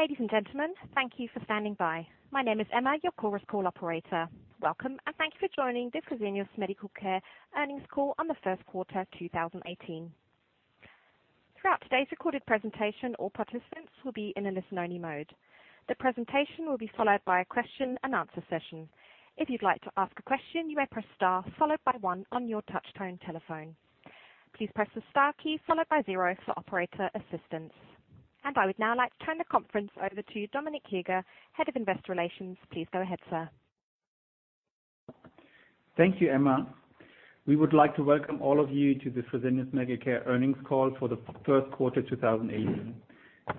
Ladies and gentlemen, thank you for standing by. My name is Emma, your Chorus Call operator. Welcome, and thank you for joining the Fresenius Medical Care earnings call on the first quarter 2018. Throughout today's recorded presentation, all participants will be in a listen-only mode. The presentation will be followed by a question and answer session. If you'd like to ask a question, you may press star followed by one on your touchtone telephone. Please press the star key followed by zero for operator assistance. I would now like to turn the conference over to Dominik Heger, Head of Investor Relations. Please go ahead, sir. Thank you, Emma. We would like to welcome all of you to this Fresenius Medical Care earnings call for the first quarter 2018.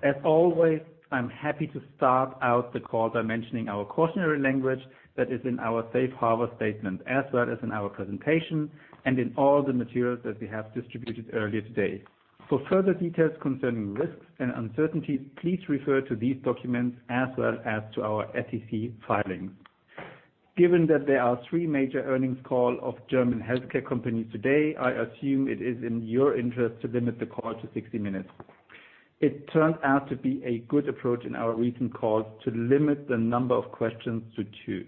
As always, I'm happy to start out the call by mentioning our cautionary language that is in our safe harbor statement, as well as in our presentation and in all the materials that we have distributed earlier today. For further details concerning risks and uncertainties, please refer to these documents as well as to our SEC filings. Given that there are three major earnings call of German healthcare companies today, I assume it is in your interest to limit the call to 60 minutes. It turned out to be a good approach in our recent calls to limit the number of questions to two.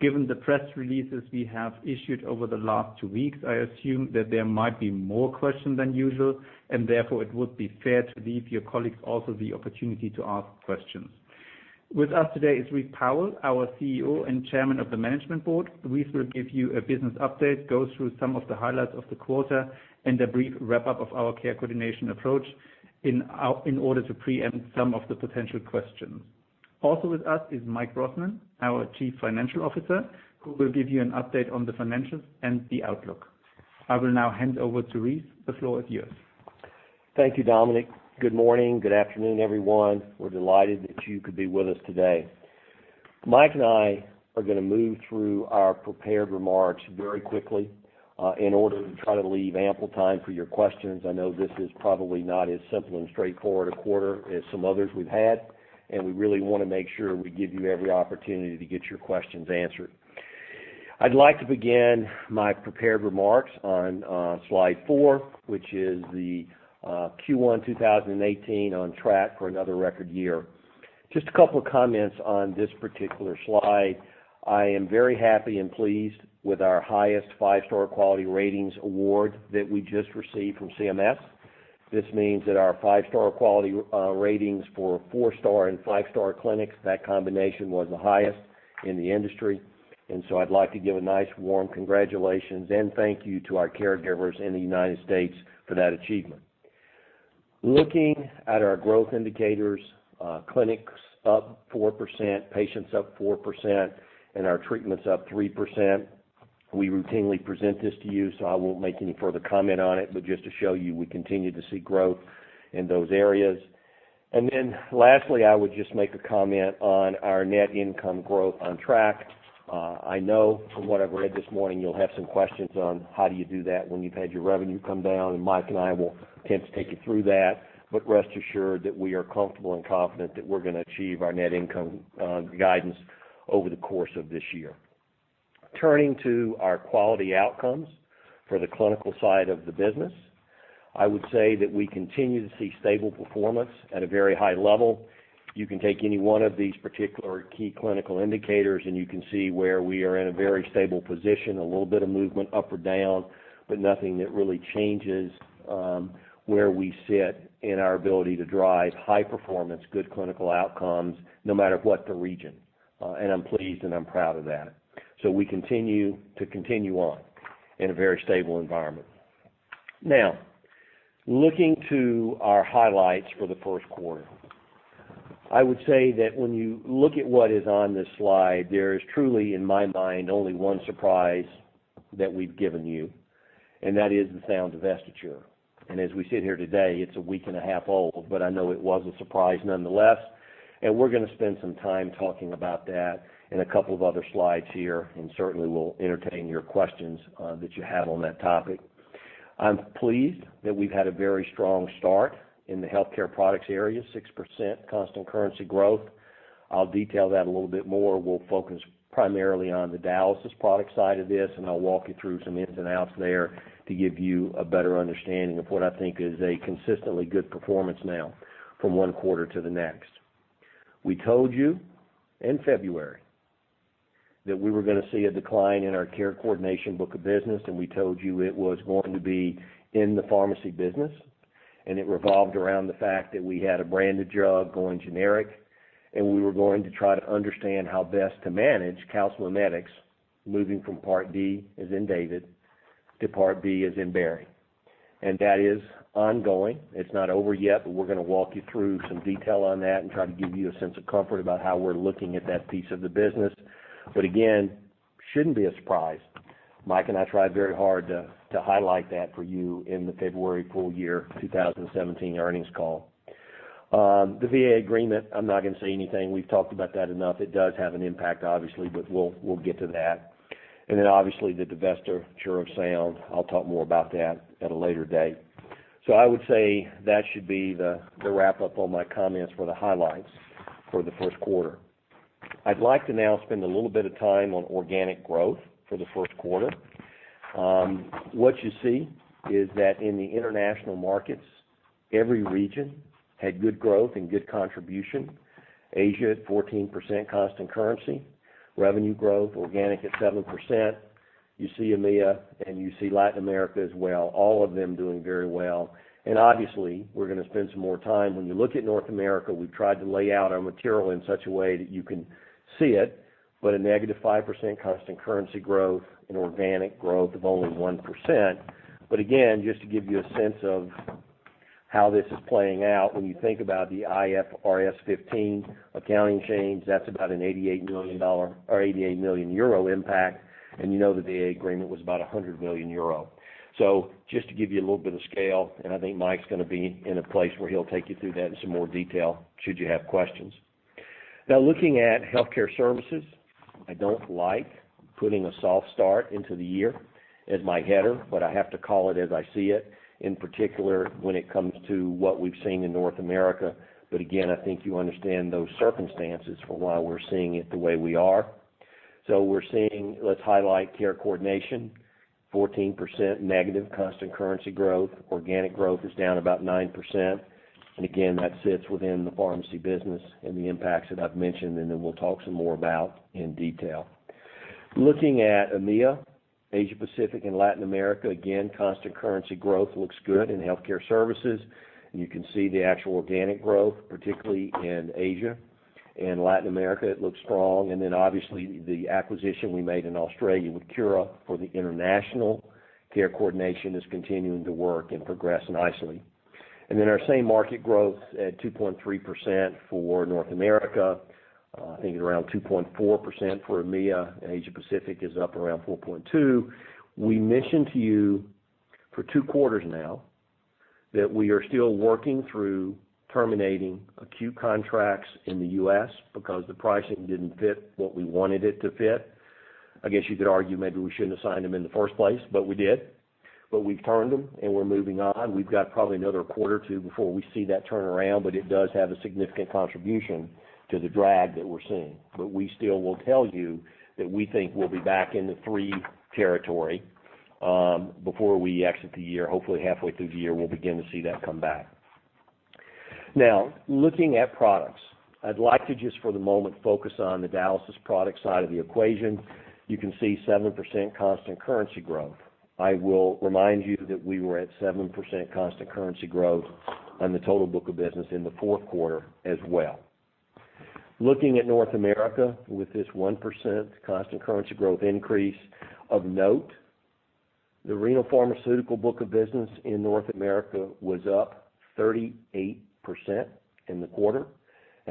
Given the press releases we have issued over the last two weeks, I assume that there might be more questions than usual. Therefore, it would be fair to leave your colleagues also the opportunity to ask questions. With us today is Rice Powell, our CEO and Chairman of the Management Board. Rice will give you a business update, go through some of the highlights of the quarter, and a brief wrap-up of our care coordination approach in order to preempt some of the potential questions. Also with us is Mike Brosnan, our Chief Financial Officer, who will give you an update on the financials and the outlook. I will now hand over to Rice. The floor is yours. Thank you, Dominik. Good morning, good afternoon, everyone. We're delighted that you could be with us today. Mike and I are going to move through our prepared remarks very quickly, in order to try to leave ample time for your questions. I know this is probably not as simple and straightforward a quarter as some others we've had. We really want to make sure we give you every opportunity to get your questions answered. I'd like to begin my prepared remarks on slide four, which is the Q1 2018 on track for another record year. Just a couple of comments on this particular slide. I am very happy and pleased with our highest Five-Star Quality Ratings Award that we just received from CMS. This means that our Five-Star Quality Ratings for Four-Star and Five-Star clinics, that combination was the highest in the industry. I'd like to give a nice, warm congratulations and thank you to our caregivers in the U.S. for that achievement. Looking at our growth indicators, clinics up 4%, patients up 4%, and our treatments up 3%. We routinely present this to you, so I won't make any further comment on it, but just to show you, we continue to see growth in those areas. Lastly, I would just make a comment on our net income growth on track. I know from what I've read this morning you'll have some questions on how do you do that when you've had your revenue come down, and Mike and I will attempt to take you through that. Rest assured that we are comfortable and confident that we're going to achieve our net income guidance over the course of this year. Turning to our quality outcomes for the clinical side of the business. I would say that we continue to see stable performance at a very high level. You can take any one of these particular key clinical indicators, and you can see where we are in a very stable position, a little bit of movement up or down, but nothing that really changes where we sit in our ability to drive high performance, good clinical outcomes, no matter what the region. I'm pleased and I'm proud of that. We continue to continue on in a very stable environment. Now, looking to our highlights for the first quarter. I would say that when you look at what is on this slide, there is truly, in my mind, only one surprise that we've given you, and that is the Sound divestiture. As we sit here today, it's a week and a half old, but I know it was a surprise nonetheless, and we're going to spend some time talking about that in a couple of other slides here and certainly we'll entertain your questions that you have on that topic. I'm pleased that we've had a very strong start in the healthcare products area, 6% constant currency growth. I'll detail that a little bit more. We'll focus primarily on the dialysis product side of this, and I'll walk you through some ins and outs there to give you a better understanding of what I think is a consistently good performance now from one quarter to the next. We told you in February that we were going to see a decline in our care coordination book of business, and we told you it was going to be in the pharmacy business, and it revolved around the fact that we had a branded drug going generic, and we were going to try to understand how best to manage calcimimetics moving from Part D, as in David, to Part B, as in Barry. That is ongoing. It's not over yet, but we're going to walk you through some detail on that and try to give you a sense of comfort about how we're looking at that piece of the business. Again, shouldn't be a surprise. Mike and I tried very hard to highlight that for you in the February full year 2017 earnings call. The VA agreement, I'm not going to say anything. We've talked about that enough. It does have an impact, obviously, but we'll get to that. Obviously, the divestiture of Sound. I'll talk more about that at a later date. I would say that should be the wrap-up on my comments for the highlights for the first quarter. I'd like to now spend a little bit of time on organic growth for the first quarter. What you see is that in the international markets, every region had good growth and good contribution. Asia at 14% constant currency, revenue growth organic at 7%. You see EMEA and you see Latin America as well, all of them doing very well. Obviously, we're going to spend some more time. When you look at North America, we've tried to lay out our material in such a way that you can see it, but a negative 5% constant currency growth and organic growth of only 1%. Again, just to give you a sense of how this is playing out, when you think about the IFRS 15 accounting change, that's about an EUR 88 million impact, and you know that the VA agreement was about 100 million euro. Just to give you a little bit of scale, and I think Mike's going to be in a place where he'll take you through that in some more detail, should you have questions. Looking at healthcare services, I don't like putting a soft start into the year as my header, but I have to call it as I see it, in particular, when it comes to what we've seen in North America. Again, I think you understand those circumstances for why we're seeing it the way we are. We're seeing, let's highlight care coordination, 14% negative constant currency growth. Organic growth is down about 9%, again, that sits within the pharmacy business and the impacts that I've mentioned. We'll talk some more about in detail. Looking at EMEA, Asia Pacific and Latin America, again, constant currency growth looks good in healthcare services, and you can see the actual organic growth, particularly in Asia and Latin America, it looks strong. Obviously the acquisition we made in Australia with Cura for the international care coordination is continuing to work and progress nicely. Our same market growth at 2.3% for North America. I think around 2.4% for EMEA and Asia Pacific is up around 4.2%. We mentioned to you for two quarters now that we are still working through terminating acute contracts in the U.S. because the pricing didn't fit what we wanted it to fit. I guess you could argue maybe we shouldn't have signed them in the first place, but we did. We've turned them, and we're moving on. We've got probably another quarter or two before we see that turn around, but it does have a significant contribution to the drag that we're seeing. We still will tell you that we think we'll be back in the 3% territory, before we exit the year. Hopefully, halfway through the year, we'll begin to see that come back. Looking at products. I'd like to just for the moment, focus on the dialysis product side of the equation. You can see 7% constant currency growth. I will remind you that we were at 7% constant currency growth on the total book of business in the fourth quarter as well. Looking at North America with this 1% constant currency growth increase of note, the renal pharmaceutical book of business in North America was up 38% in the quarter.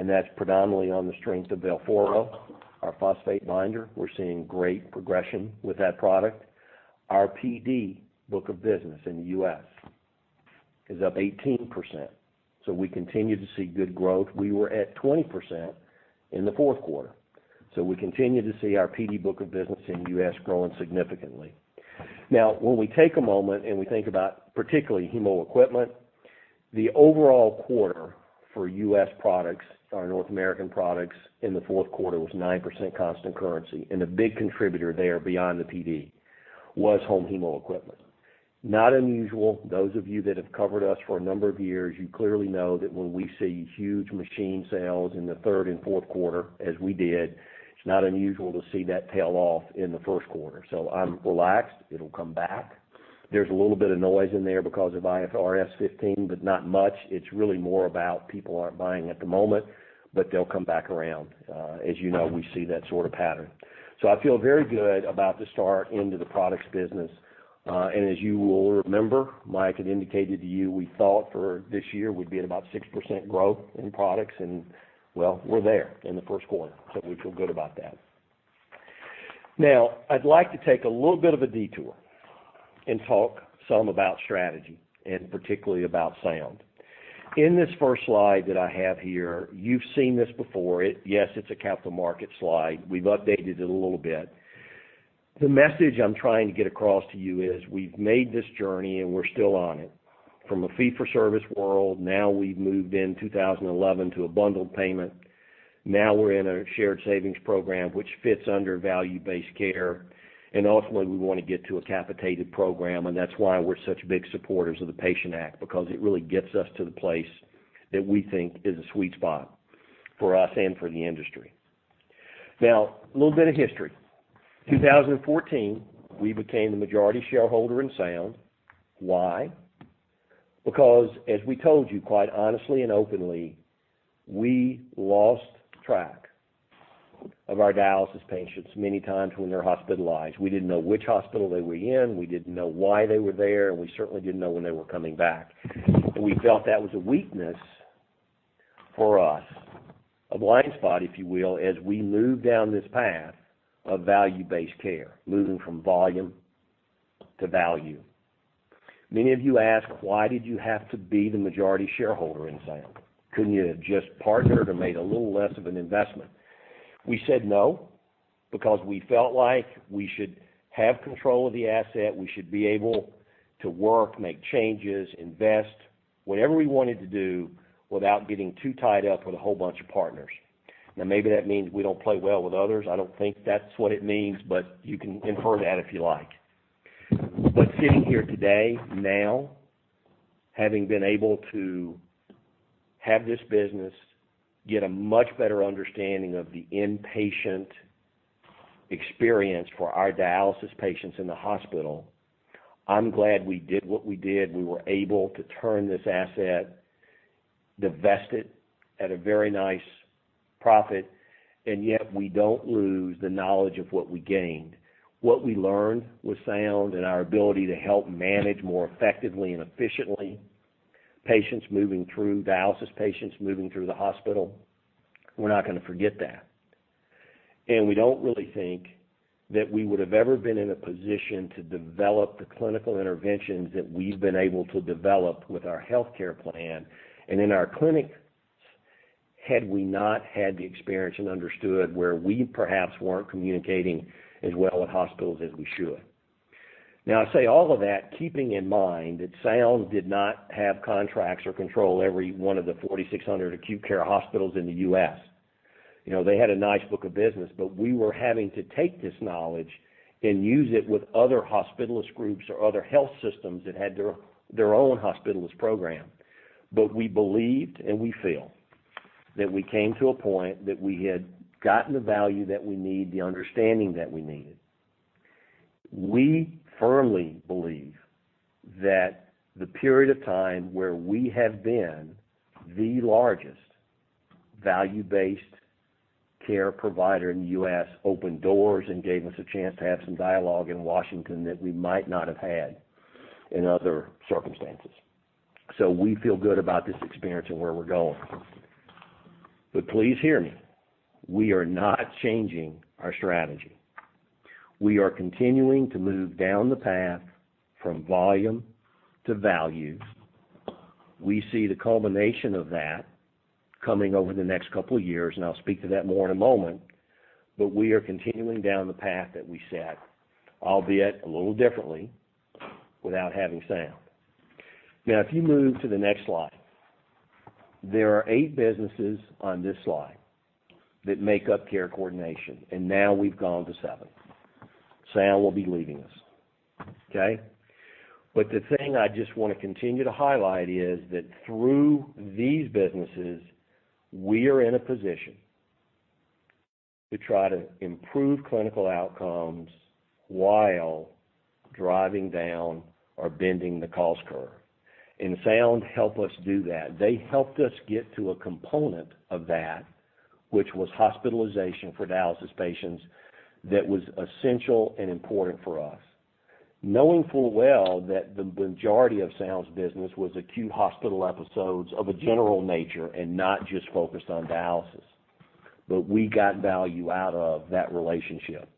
That's predominantly on the strength of Velphoro, our phosphate binder. We are seeing great progression with that product. Our PD book of business in the U.S. is up 18%, so we continue to see good growth. We were at 20% in the fourth quarter. We continue to see our PD book of business in U.S. growing significantly. When we take a moment and we think about particularly hemo equipment, the overall quarter for U.S. products, our North American products in the fourth quarter was 9% constant currency. A big contributor there beyond the PD was home hemo equipment. Not unusual. Those of you that have covered us for a number of years, you clearly know that when we see huge machine sales in the third and fourth quarter as we did, it is not unusual to see that tail off in the first quarter. I am relaxed. It will come back. There is a little bit of noise in there because of IFRS 15. Not much. It is really more about people are not buying at the moment, but they will come back around. You know, we see that sort of pattern. I feel very good about the start into the products business. As you will remember, Mike had indicated to you we thought for this year we would be at about 6% growth in products. Well, we are there in the first quarter. We feel good about that. I would like to take a little bit of a detour and talk some about strategy, particularly about Sound. In this first slide that I have here, you have seen this before. Yes, it is a capital market slide. We have updated it a little bit. The message I am trying to get across to you is we have made this journey and we are still on it. From a fee for service world, we have moved in 2011 to a bundled payment. We are in a shared savings program, which fits under value-based care. Ultimately, we want to get to a capitated program. That is why we are such big supporters of the Patient Act because it really gets us to the place that we think is a sweet spot for us and for the industry. A little bit of history. 2014, we became the majority shareholder in Sound. Why? As we told you quite honestly and openly, we lost track of our dialysis patients many times when they are hospitalized. We did not know which hospital they were in, we did not know why they were there, and we certainly did not know when they were coming back. We felt that was a weakness for us, a blind spot, if you will, as we move down this path of value-based care, moving from volume to value. Many of you ask, "Why did you have to be the majority shareholder in Sound? Could not you have just partnered or made a little less of an investment?" We said no. Because we felt like we should have control of the asset, we should be able to work, make changes, invest, whatever we wanted to do without getting too tied up with a whole bunch of partners. Maybe that means we don't play well with others. I don't think that's what it means, but you can infer that if you like. Sitting here today, having been able to have this business get a much better understanding of the inpatient experience for our dialysis patients in the hospital, I'm glad we did what we did. We were able to turn this asset, divest it at a very nice profit, yet we don't lose the knowledge of what we gained. What we learned with Sound and our ability to help manage more effectively and efficiently dialysis patients moving through the hospital, we're not going to forget that. We don't really think that we would have ever been in a position to develop the clinical interventions that we've been able to develop with our healthcare plan and in our clinics, had we not had the experience and understood where we perhaps weren't communicating as well with hospitals as we should. I say all of that keeping in mind that Sound did not have contracts or control every one of the 4,600 acute care hospitals in the U.S. They had a nice book of business, we were having to take this knowledge and use it with other hospitalist groups or other health systems that had their own hospitalist program. We believed, and we feel that we came to a point that we had gotten the value that we need, the understanding that we needed. We firmly believe that the period of time where we have been the largest value-based care provider in the U.S. opened doors and gave us a chance to have some dialogue in Washington that we might not have had in other circumstances. We feel good about this experience and where we're going. Please hear me. We are not changing our strategy. We are continuing to move down the path from volume to value. We see the culmination of that coming over the next couple of years, and I'll speak to that more in a moment. We are continuing down the path that we set, albeit a little differently without having Sound. If you move to the next slide. There are eight businesses on this slide that make up care coordination, and we've gone to seven. Sound will be leaving us. The thing I just want to continue to highlight is that through these businesses, we are in a position to try to improve clinical outcomes while driving down or bending the cost curve. Sound helped us do that. They helped us get to a component of that, which was hospitalization for dialysis patients, that was essential and important for us. Knowing full well that the majority of Sound's business was acute hospital episodes of a general nature and not just focused on dialysis. We got value out of that relationship.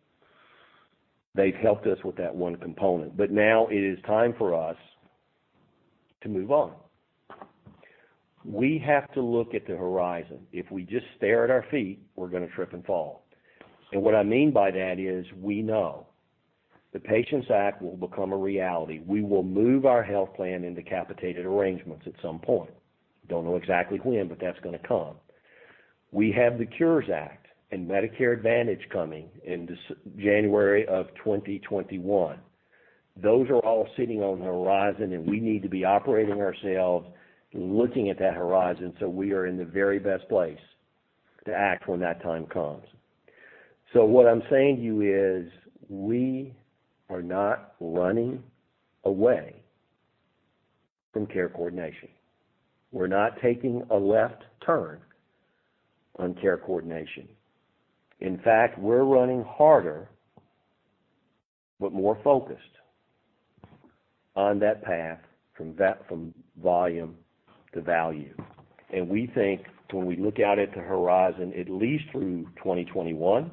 They've helped us with that one component. Now it is time for us to move on. We have to look at the horizon. If we just stare at our feet, we're going to trip and fall. What I mean by that is we know the Patients Act will become a reality. We will move our health plan into capitated arrangements at some point. Don't know exactly when, but that's going to come. We have the Cures Act and Medicare Advantage coming in January of 2021. Those are all sitting on the horizon, and we need to be operating ourselves, looking at that horizon so we are in the very best place to act when that time comes. What I'm saying to you is, we are not running away from care coordination. We're not taking a left turn on care coordination. In fact, we're running harder but more focused on that path from volume to value. We think when we look out at the horizon, at least through 2021,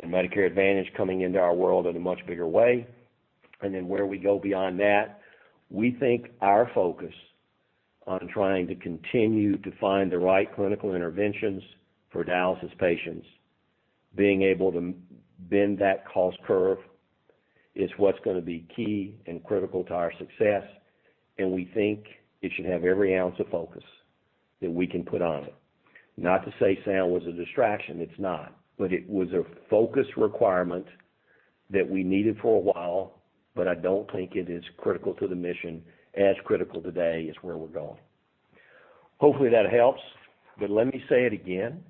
and Medicare Advantage coming into our world in a much bigger way, then where we go beyond that, we think our focus on trying to continue to find the right clinical interventions for dialysis patients, being able to bend that cost curve is what's going to be key and critical to our success, and we think it should have every ounce of focus that we can put on it. Not to say Sound was a distraction, it's not. It was a focus requirement that we needed for a while, but I don't think it is critical to the mission, as critical today as where we're going. Hopefully, that helps. Let me say it again,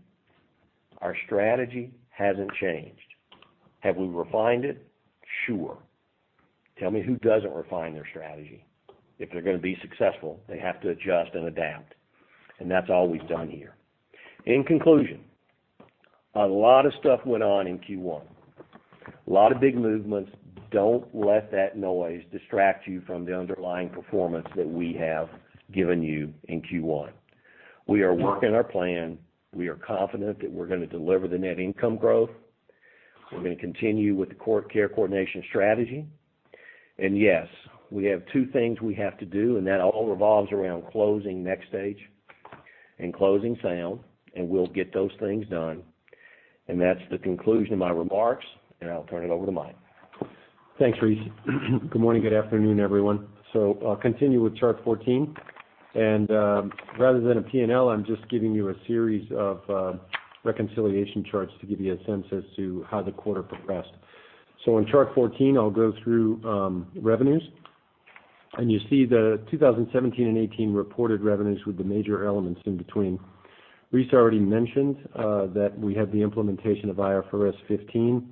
our strategy hasn't changed. Have we refined it? Sure. Tell me who doesn't refine their strategy. If they're going to be successful, they have to adjust and adapt. That's all we've done here. In conclusion, a lot of stuff went on in Q1. A lot of big movements. Don't let that noise distract you from the underlying performance that we have given you in Q1. We are working our plan. We are confident that we're going to deliver the net income growth. We're going to continue with the core care coordination strategy. Yes, we have two things we have to do, and that all revolves around closing NxStage and closing Sound, and we'll get those things done. That's the conclusion of my remarks, and I'll turn it over to Mike. Thanks, Rice. Good morning, good afternoon, everyone. I'll continue with Chart 14. Rather than a P&L, I'm just giving you a series of reconciliation charts to give you a sense as to how the quarter progressed. On Chart 14, I'll go through revenues, you see the 2017 and '18 reported revenues with the major elements in between. Rice already mentioned that we have the implementation of IFRS 15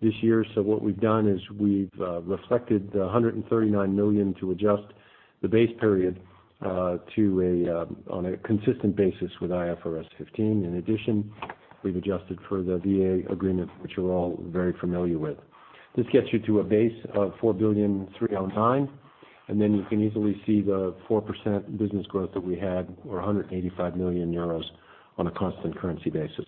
this year. What we've done is we've reflected the 139 million to adjust the base period on a consistent basis with IFRS 15. In addition, we've adjusted for the VA agreement, which you're all very familiar with. This gets you to a base of 4 billion 309, then you can easily see the 4% business growth that we had, or 185 million euros on a constant currency basis.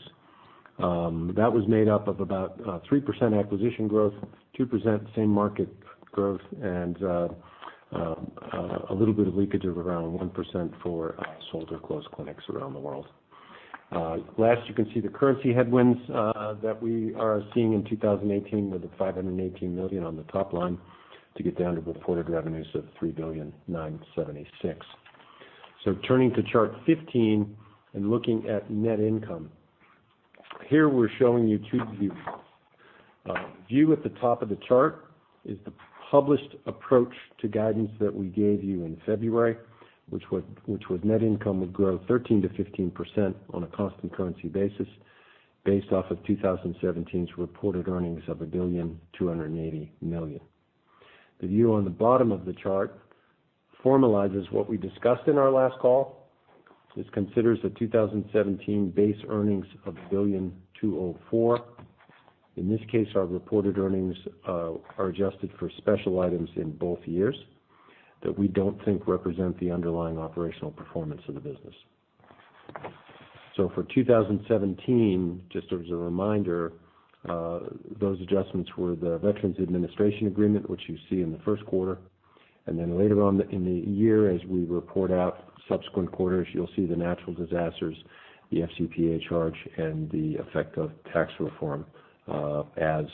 That was made up of about 3% acquisition growth, 2% same market growth, and a little bit of leakage of around 1% for sold or closed clinics around the world. You can see the currency headwinds that we are seeing in 2018 with the 518 million on the top line to get down to reported revenues of 3 billion 976. Turning to Chart 15 and looking at net income. Here we're showing you two views. View at the top of the chart is the published approach to guidance that we gave you in February, which was net income would grow 13%-15% on a constant currency basis based off of 2017's reported earnings of 1 billion 280 million. The view on the bottom of the chart formalizes what we discussed in our last call. This considers the 2017 base earnings of 1 billion 204. In this case, our reported earnings are adjusted for special items in both years that we don't think represent the underlying operational performance of the business. For 2017, just as a reminder, those adjustments were the Veterans Administration agreement, which you see in the first quarter. Later on in the year, as we report out subsequent quarters, you'll see the natural disasters, the FCPA charge, and the effect of tax reform as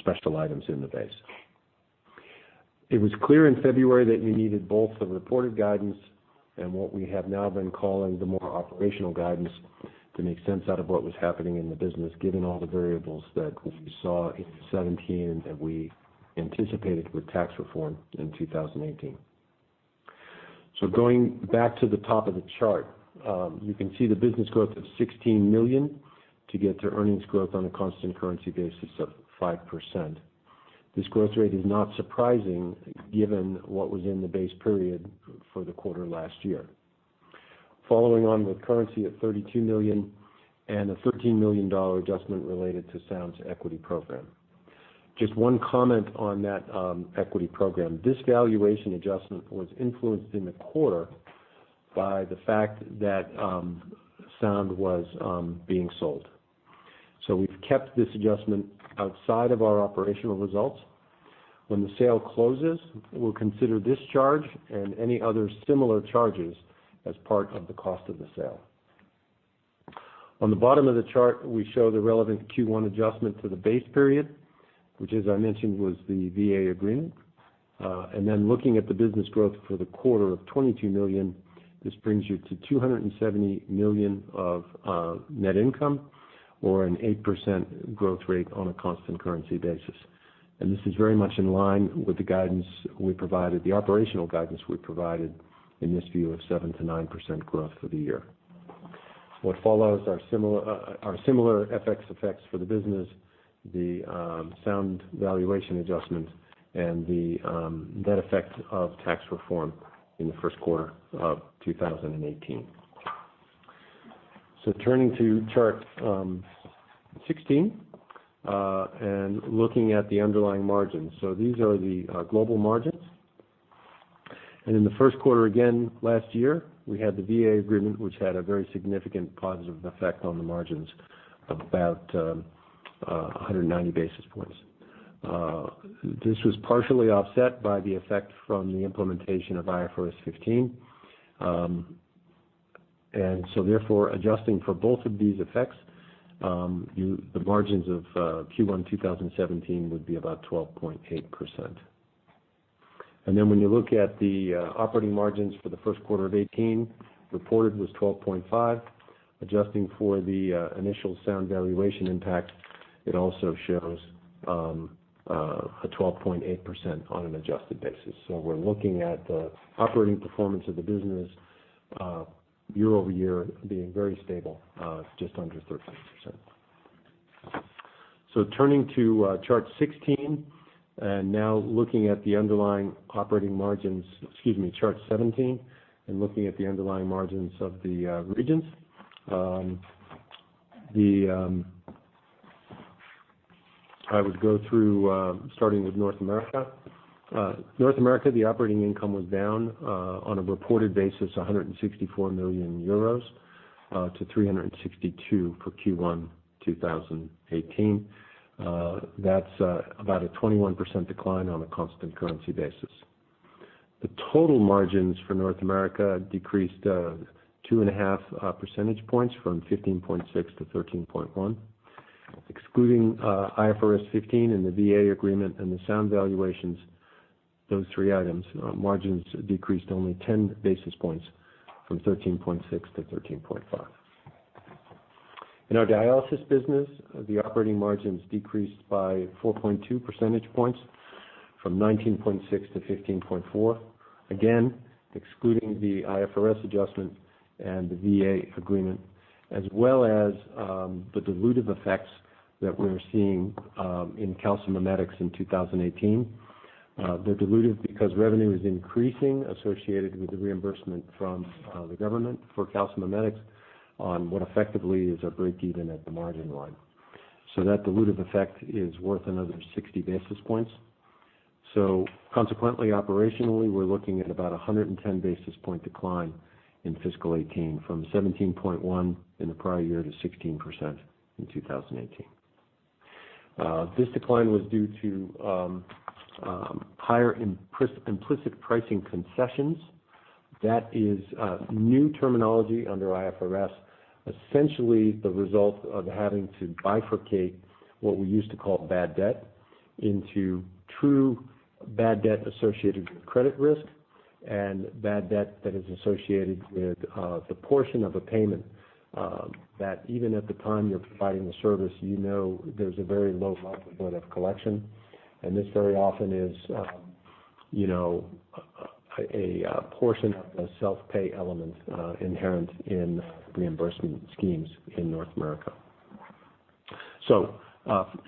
special items in the base. It was clear in February that you needed both the reported guidance and what we have now been calling the more operational guidance to make sense out of what was happening in the business, given all the variables that you saw in 2017 and that we anticipated with tax reform in 2018. Going back to the top of the chart. You can see the business growth of 16 million to get to earnings growth on a constant currency basis of 5%. This growth rate is not surprising given what was in the base period for the quarter last year. Following on with currency at 32 million and a EUR 13 million adjustment related to Sound Physicians' equity program. Just one comment on that equity program. This valuation adjustment was influenced in the quarter by the fact that Sound Physicians was being sold. We've kept this adjustment outside of our operational results. When the sale closes, we'll consider this charge and any other similar charges as part of the cost of the sale. On the bottom of the chart, we show the relevant Q1 adjustment to the base period, which as I mentioned, was the VA agreement. Looking at the business growth for the quarter of 22 million, this brings you to 270 million of net income or an 8% growth rate on a constant currency basis. This is very much in line with the guidance we provided, the operational guidance we provided in this view of 7%-9% growth for the year. What follows are similar FX effects for the business, the Sound Physicians valuation adjustment, and the net effect of tax reform in the first quarter of 2018. Turning to Chart 16, and looking at the underlying margins. These are the global margins. In the first quarter, again, last year, we had the VA agreement, which had a very significant positive effect on the margins, about 190 basis points. This was partially offset by the effect from the implementation of IFRS 15. Therefore, adjusting for both of these effects, the margins of Q1 2017 would be about 12.8%. When you look at the operating margins for the first quarter of 2018, reported was 12.5%. Adjusting for the initial Sound valuation impact, it also shows a 12.8% on an adjusted basis. We're looking at the operating performance of the business year-over-year being very stable, just under 13%. Turning to Chart 16, and now looking at the underlying operating margins, excuse me, Chart 17, and looking at the underlying margins of the regions. I would go through starting with North America. North America, the operating income was down on a reported basis, 164 million euros to 362 for Q1 2018. That's about a 21% decline on a constant currency basis. The total margins for North America decreased 2.5 percentage points from 15.6% to 13.1%. Excluding IFRS 15 and the VA agreement and the Sound valuations, those three items, margins decreased only 10 basis points from 13.6% to 13.5%. In our dialysis business, the operating margins decreased by 4.2 percentage points from 19.6% to 15.4%, again, excluding the IFRS adjustment and the VA agreement, as well as the dilutive effects that we're seeing in calcimimetics in 2018. They're dilutive because revenue is increasing associated with the reimbursement from the government for calcimimetics on what effectively is a break-even at the margin line. That dilutive effect is worth another 60 basis points. Consequently, operationally, we're looking at about 110 basis point decline in fiscal 2018 from 17.1% in the prior year to 16% in 2018. This decline was due to higher implicit pricing concessions. That is new terminology under IFRS, essentially the result of having to bifurcate what we used to call bad debt into true bad debt associated with credit risk and bad debt that is associated with the portion of a payment that even at the time you know there's a very low likelihood of collection, and this very often is a portion of the self-pay element inherent in reimbursement schemes in North America.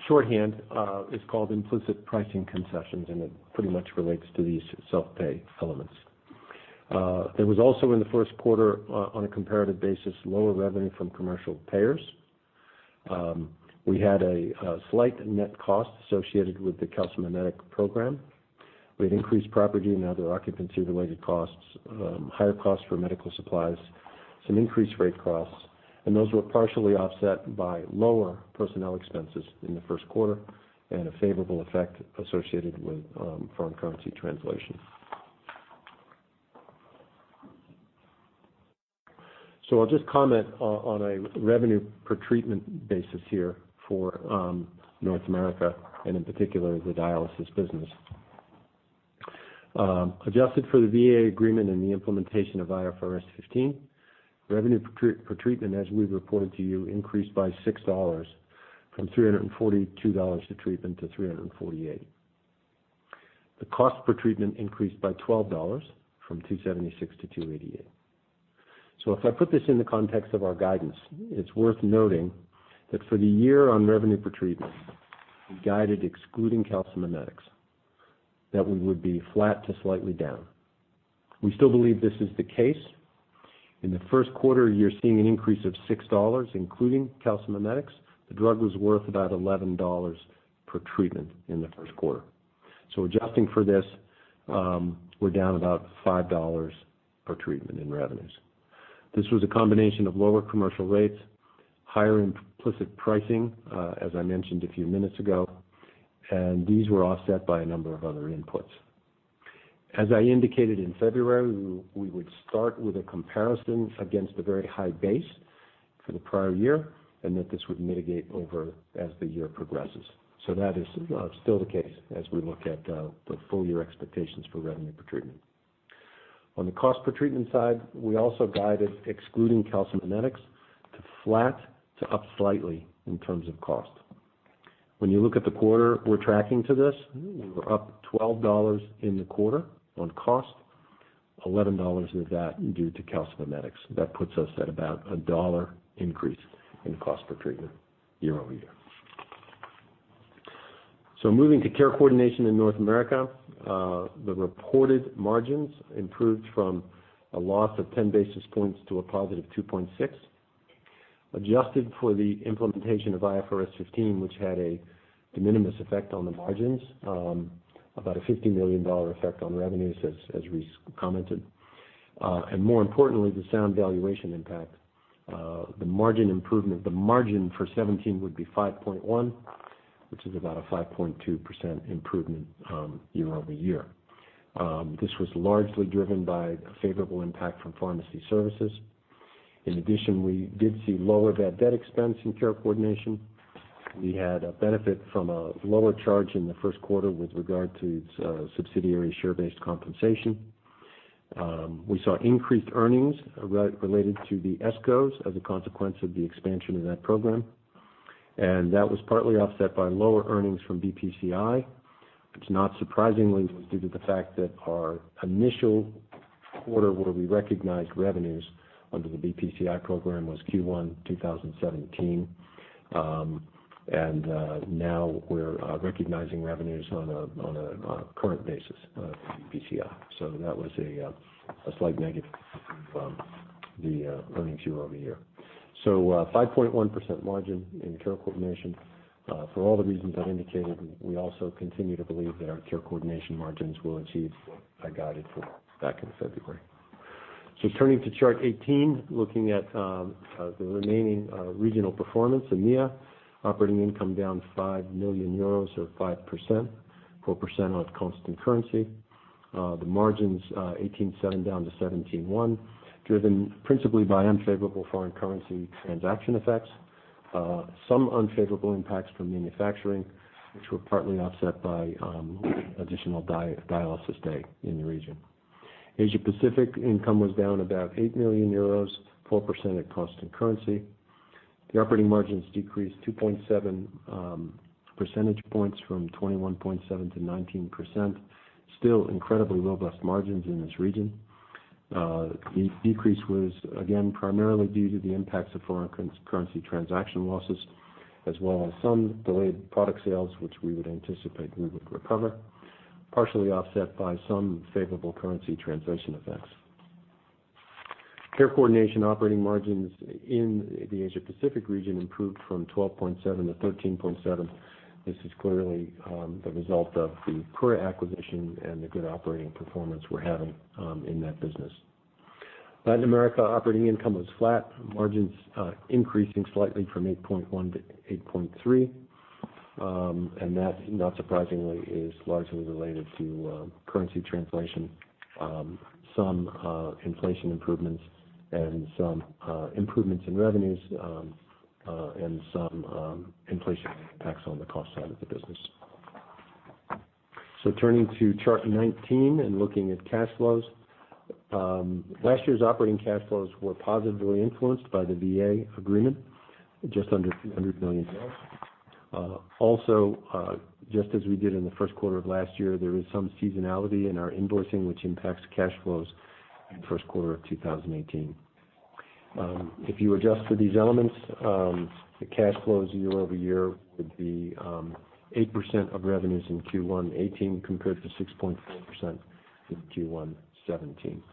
Shorthand, it's called implicit pricing concessions, and it pretty much relates to these self-pay elements. There was also in the first quarter, on a comparative basis, lower revenue from commercial payers. We had a slight net cost associated with the calcimimetic program. We had increased property and other occupancy-related costs, higher costs for medical supplies, some increased freight costs, and those were partially offset by lower personnel expenses in the first quarter and a favorable effect associated with foreign currency translation. I'll just comment on a revenue per treatment basis here for North America and in particular, the dialysis business. Adjusted for the VA agreement and the implementation of IFRS 15, revenue per treatment, as we've reported to you, increased by 6 dollars from 342 dollars to treatment to 348. The cost per treatment increased by 12 dollars from 276 to 288. If I put this in the context of our guidance, it's worth noting that for the year on revenue per treatment, we guided excluding calcimimetics, that we would be flat to slightly down. We still believe this is the case. In the first quarter, you are seeing an increase of $6, including calcimimetics. The drug was worth about $11 per treatment in the first quarter. Adjusting for this, we are down about $5 per treatment in revenues. This was a combination of lower commercial rates, higher implicit pricing, as I mentioned a few minutes ago, and these were offset by a number of other inputs. As I indicated in February, we would start with a comparison against a very high base for the prior year, and that this would mitigate over as the year progresses. That is still the case as we look at the full-year expectations for revenue per treatment. On the cost per treatment side, we also guided excluding calcimimetics to flat to up slightly in terms of cost. When you look at the quarter, we are tracking to this. We were up $12 in the quarter on cost, $11 of that due to calcimimetics. That puts us at about a $1 increase in cost per treatment year-over-year. Moving to care coordination in North America, the reported margins improved from a loss of 10 basis points to a positive 2.6%. Adjusted for the implementation of IFRS 15, which had a de minimis effect on the margins, about a $50 million effect on revenues, as Rice commented, and more importantly, the Sound Physicians valuation impact, the margin for 2017 would be 5.1%, which is about a 5.2% improvement year-over-year. This was largely driven by a favorable impact from pharmacy services. In addition, we did see lower bad debt expense in care coordination. We had a benefit from a lower charge in the first quarter with regard to subsidiary share-based compensation. We saw increased earnings related to the ESCOs as a consequence of the expansion of that program. That was partly offset by lower earnings from BPCI, which not surprisingly, was due to the fact that our initial quarter where we recognized revenues under the BPCI program was Q1 2017. Now we are recognizing revenues on a current basis for BPCI. That was a slight negative from the earnings year-over-year. 5.1% margin in care coordination. For all the reasons I indicated, we also continue to believe that our care coordination margins will achieve what I guided for back in February. Turning to chart 18, looking at the remaining regional performance. EMEA, operating income down 5 million euros or 5%, 4% on constant currency. The margins 18.7% down to 17.1%, driven principally by unfavorable foreign currency transaction effects. Some unfavorable impacts from manufacturing, which were partly offset by additional dialysis day in the region. Asia Pacific income was down about 8 million euros, 4% at costant currency. The operating margins decreased 2.7 percentage points from 21.7% to 19%. Still incredibly robust margins in this region. The decrease was again, primarily due to the impacts of foreign currency transaction losses, as well as some delayed product sales, which we would anticipate we would recover, partially offset by some favorable currency translation effects. Care coordination operating margins in the Asia Pacific region improved from 12.7% to 13.7%. This is clearly the result of the Cura acquisition and the good operating performance we are having in that business. Latin America operating income was flat, margins increasing slightly from 8.1% to 8.3%. That, not surprisingly, is largely related to currency translation, some inflation improvements and some improvements in revenues, and some inflation impacts on the cost side of the business. Turning to chart 19 and looking at cash flows. Last year's operating cash flows were positively influenced by the VA agreement, just under $100 million. Also, just as we did in the first quarter of last year, there is some seasonality in our invoicing, which impacts cash flows in the first quarter of 2018. If you adjust for these elements, the cash flows year-over-year would be 8% of revenues in Q1 2018 compared to 6.4% in Q1 2017.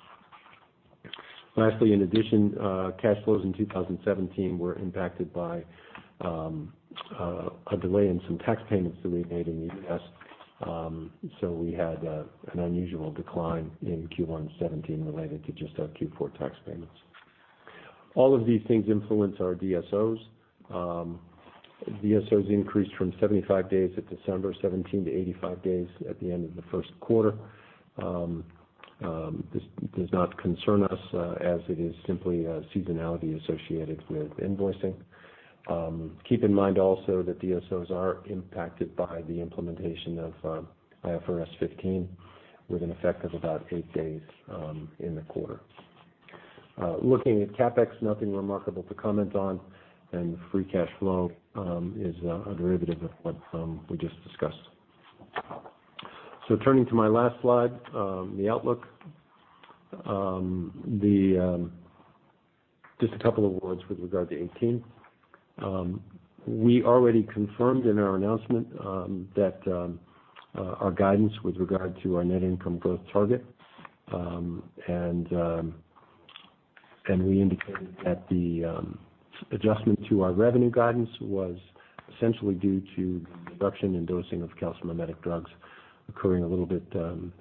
Lastly, in addition, cash flows in 2017 were impacted by a delay in some tax payments that we made in the U.S. We had an unusual decline in Q1 2017 related to just our Q4 tax payments. All of these things influence our DSOs. DSOs increased from 75 days at December 2017 to 85 days at the end of the first quarter. This does not concern us, as it is simply a seasonality associated with invoicing. Keep in mind also that DSOs are impacted by the implementation of IFRS 15, with an effect of about eight days in the quarter. Looking at CapEx, nothing remarkable to comment on, and free cash flow is a derivative of what we just discussed. Turning to my last slide, the outlook. Just a couple of words with regard to 2018. We already confirmed in our announcement that our guidance with regard to our net income growth target, and we indicated that the adjustment to our revenue guidance was essentially due to the reduction in dosing of calcimimetic drugs occurring a little bit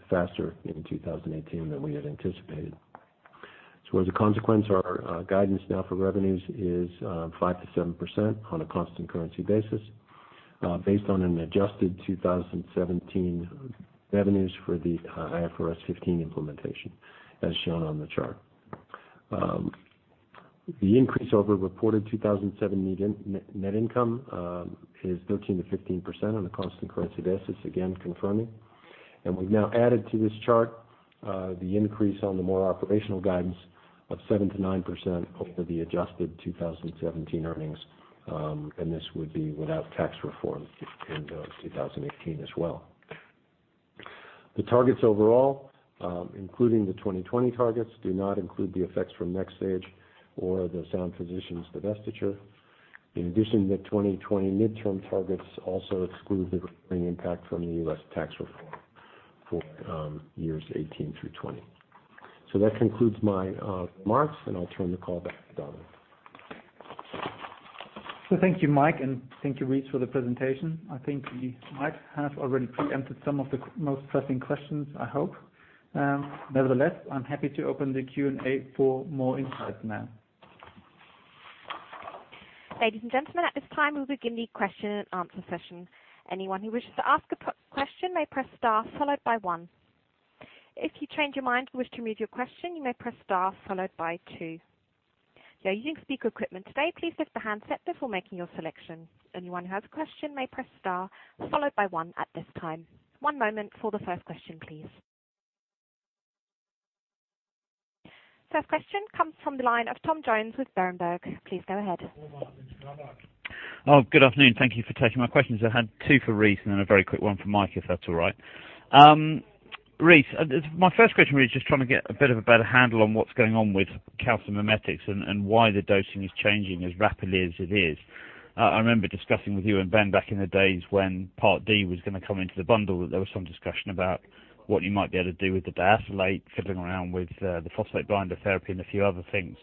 faster in 2018 than we had anticipated. As a consequence, our guidance now for revenues is 5%-7% on a constant currency basis, based on an adjusted 2017 revenues for the IFRS 15 implementation, as shown on the chart. The increase over reported 2007 net income is 13%-15% on a constant currency basis, again confirming. We've now added to this chart, the increase on the more operational guidance of 7%-9% over the adjusted 2017 earnings. This would be without tax reform in 2018 as well. The targets overall, including the 2020 targets, do not include the effects from NxStage or the Sound Physicians divestiture. In addition, the 2020 midterm targets also exclude the remaining impact from the U.S. tax reform for years 2018 through 2020. That concludes my remarks, and I'll turn the call back to Dominik. Thank you, Mike, and thank you, Rice, for the presentation. I think Mike has already preempted some of the most pressing questions, I hope. Nevertheless, I'm happy to open the Q&A for more insight now. Ladies and gentlemen, at this time, we'll begin the question and answer session. Anyone who wishes to ask a question may press star followed by one. If you change your mind and wish to remove your question, you may press star followed by two. If you are using speaker equipment today, please lift the handset before making your selection. Anyone who has a question may press star followed by one at this time. One moment for the first question, please. First question comes from the line of Tom Jones with Berenberg. Please go ahead. Good afternoon. Thank you for taking my questions. I had two for Rice and then a very quick one for Mike, if that's all right. Rice, my first question really is just trying to get a bit of a better handle on what's going on with calcimimetics and why the dosing is changing as rapidly as it is. I remember discussing with you and Ben back in the days when Part D was going to come into the bundle, that there was some discussion about what you might be able to do with the dialysate, fiddling around with the phosphate binder therapy and a few other things.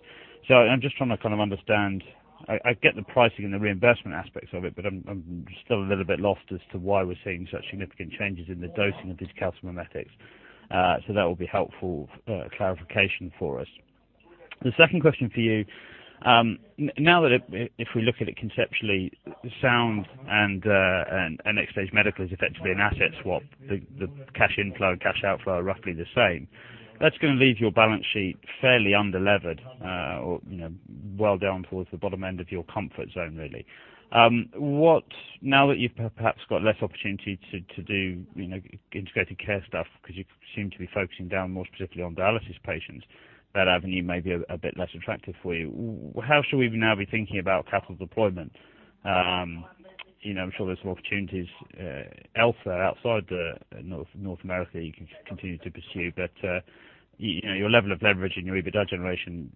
I'm just trying to kind of understand I get the pricing and the reimbursement aspects of it, but I'm still a little bit lost as to why we're seeing such significant changes in the dosing of these calcimimetics. That will be helpful clarification for us. The second question for you, now that if we look at it conceptually, Sound Physicians and NxStage Medical is effectively an asset swap. The cash inflow and cash outflow are roughly the same. That's going to leave your balance sheet fairly under-levered, or well down towards the bottom end of your comfort zone, really. Now that you've perhaps got less opportunity to do integrated care stuff because you seem to be focusing down more specifically on dialysis patients, that avenue may be a bit less attractive for you. How should we now be thinking about capital deployment? I'm sure there's some opportunities elsewhere outside North America you can continue to pursue, but your level of leverage and your EBITDA generation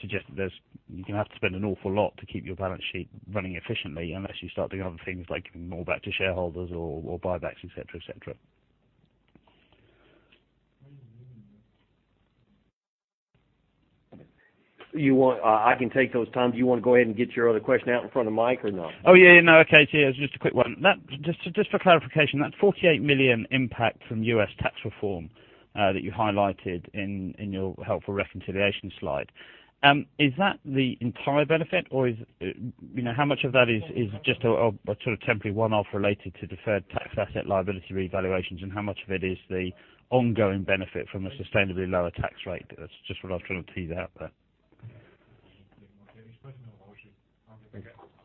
suggests that you're going to have to spend an awful lot to keep your balance sheet running efficiently unless you start doing other things like giving more back to shareholders or buybacks, et cetera. I can take those, Tom. Do you want to go ahead and get your other question out in front of Mike or not? Oh, yeah. No. Okay. It's just a quick one. Just for clarification, that $48 million impact from U.S. tax reform that you highlighted in your helpful reconciliation slide, is that the entire benefit, or how much of that is just a sort of temporary one-off related to deferred tax asset liability revaluations, and how much of it is the ongoing benefit from a sustainably lower tax rate? That's just what I was trying to tease out there.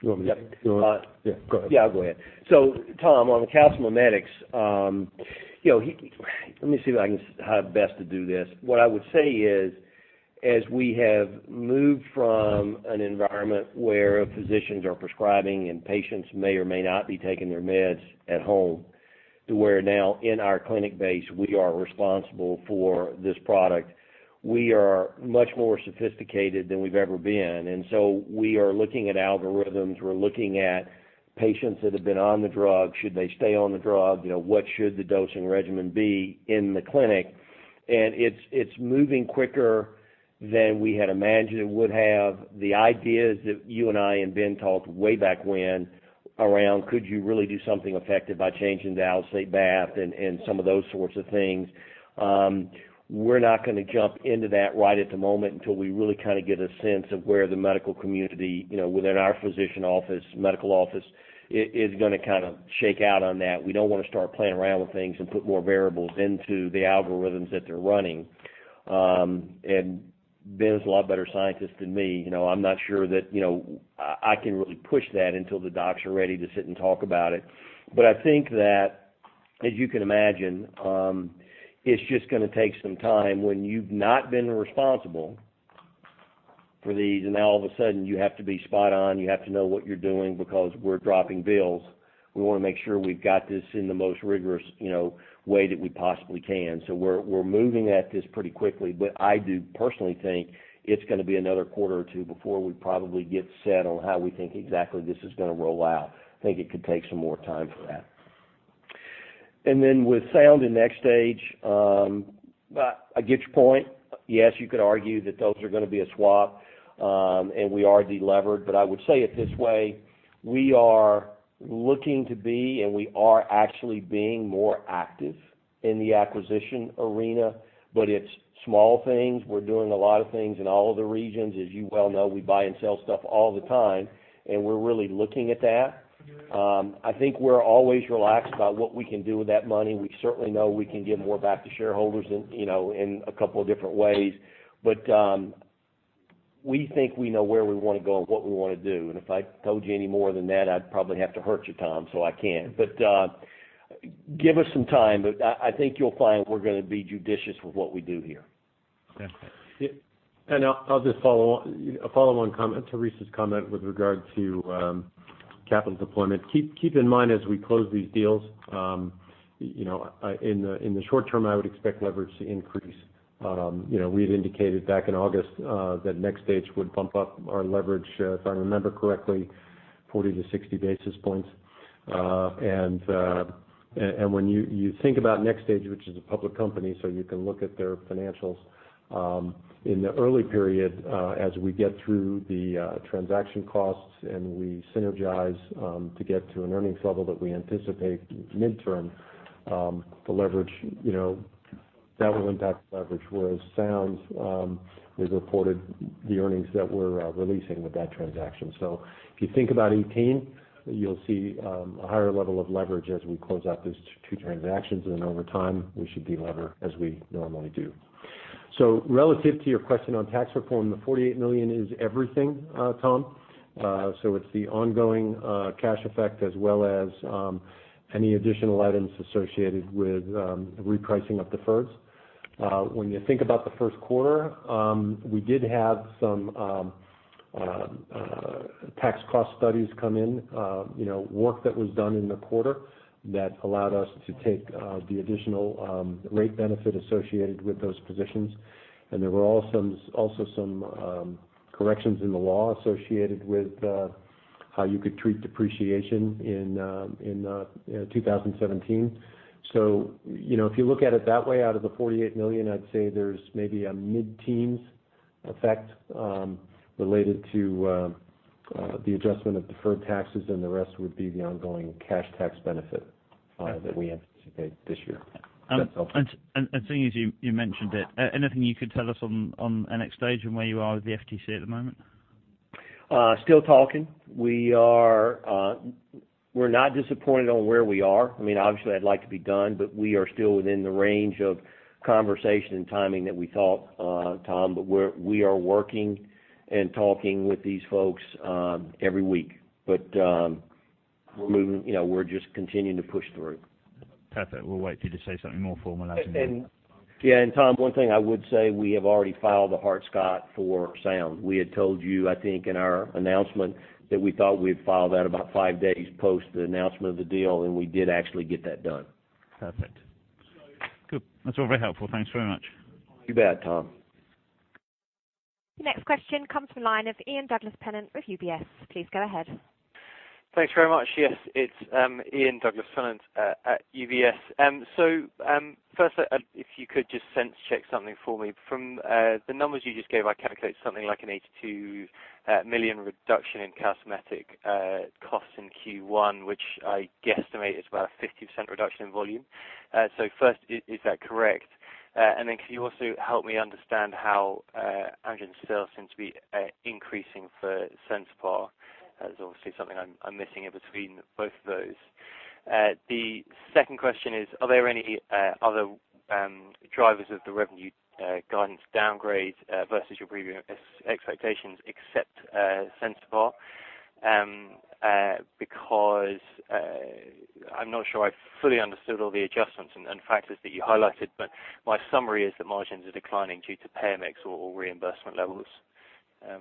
You want me to take it? Go ahead. Yeah, I'll go ahead. Tom, on the calcimimetics, let me see how best to do this. What I would say is, as we have moved from an environment where physicians are prescribing and patients may or may not be taking their meds at home to where now in our clinic base we are responsible for this product, we are much more sophisticated than we've ever been. We are looking at algorithms. We're looking at patients that have been on the drug. Should they stay on the drug? What should the dosing regimen be in the clinic? It's moving quicker than we had imagined it would have. I think that, as you can imagine, it's just going to take some time when you've not been responsible for these, and now all of a sudden you have to be spot on, you have to know what you're doing because we're dropping bills. We want to make sure we've got this in the most rigorous way that we possibly can. We're moving at this pretty quickly, but I do personally think it's going to be another quarter or two before we probably get set on how we think exactly this is going to roll out. I think it could take some more time for that. I think we're always relaxed about what we can do with that money. We certainly know we can give more back to shareholders in a couple of different ways. We think we know where we want to go and what we want to do. If I told you any more than that, I'd probably have to hurt you, Tom, I can't. Give us some time. I think you'll find we're going to be judicious with what we do here. Okay. I'll just follow on comment to Rice's comment with regard to capital deployment. Keep in mind as we close these deals, in the short term, I would expect leverage to increase. We had indicated back in August that NxStage would bump up our leverage, if I remember correctly, 40 to 60 basis points. When you think about NxStage, which is a public company, so you can look at their financials. In the early period, as we get through the transaction costs and we synergize to get to an earnings level that we anticipate midterm, the leverage, that will impact leverage, whereas Sound has reported the earnings that we're releasing with that transaction. If you think about 2018, you'll see a higher level of leverage as we close out those two transactions, and then over time, we should de-lever as we normally do. Relative to your question on tax reform, the 48 million is everything, Tom. It's the ongoing cash effect as well as any additional items associated with repricing of deferreds. When you think about the first quarter, we did have some tax cost studies come in, work that was done in the quarter that allowed us to take the additional rate benefit associated with those positions. There were also some corrections in the law associated with how you could treat depreciation in 2017. If you look at it that way, out of the 48 million, I'd say there's maybe a mid-teens effect related to the adjustment of deferred taxes, and the rest would be the ongoing cash tax benefit that we anticipate this year. Seeing as you mentioned it, anything you could tell us on NxStage and where you are with the FTC at the moment? Still talking. We're not disappointed on where we are. I mean, obviously, I'd like to be done, we are still within the range of conversation and timing that we thought, Tom. We are working and talking with these folks every week. We're just continuing to push through. Perfect. We'll wait for you to say something more formal announcing that. Yeah, Tom, one thing I would say, we have already filed the Hart-Scott for Sound. We had told you, I think, in our announcement that we thought we'd file that about five days post the announcement of the deal, and we did actually get that done. Perfect. Good. That's all very helpful. Thanks very much. You bet, Tom. Next question comes from the line of Ian Douglas-Pennant with UBS. Please go ahead. Thanks very much. Yes, it's Ian Douglas-Pennant at UBS. First, if you could just sense check something for me. From the numbers you just gave, I calculate something like an $82 million reduction in calcimimetic costs in Q1, which I guesstimate is about a 50% reduction in volume. First, is that correct? And then could you also help me understand how Amgen sales seem to be increasing for Sensipar? There's obviously something I'm missing in between both of those. The second question is, are there any other drivers of the revenue guidance downgrade versus your previous expectations except Sensipar? I'm not sure I fully understood all the adjustments and factors that you highlighted, but my summary is that margins are declining due to pay mix or reimbursement levels. Just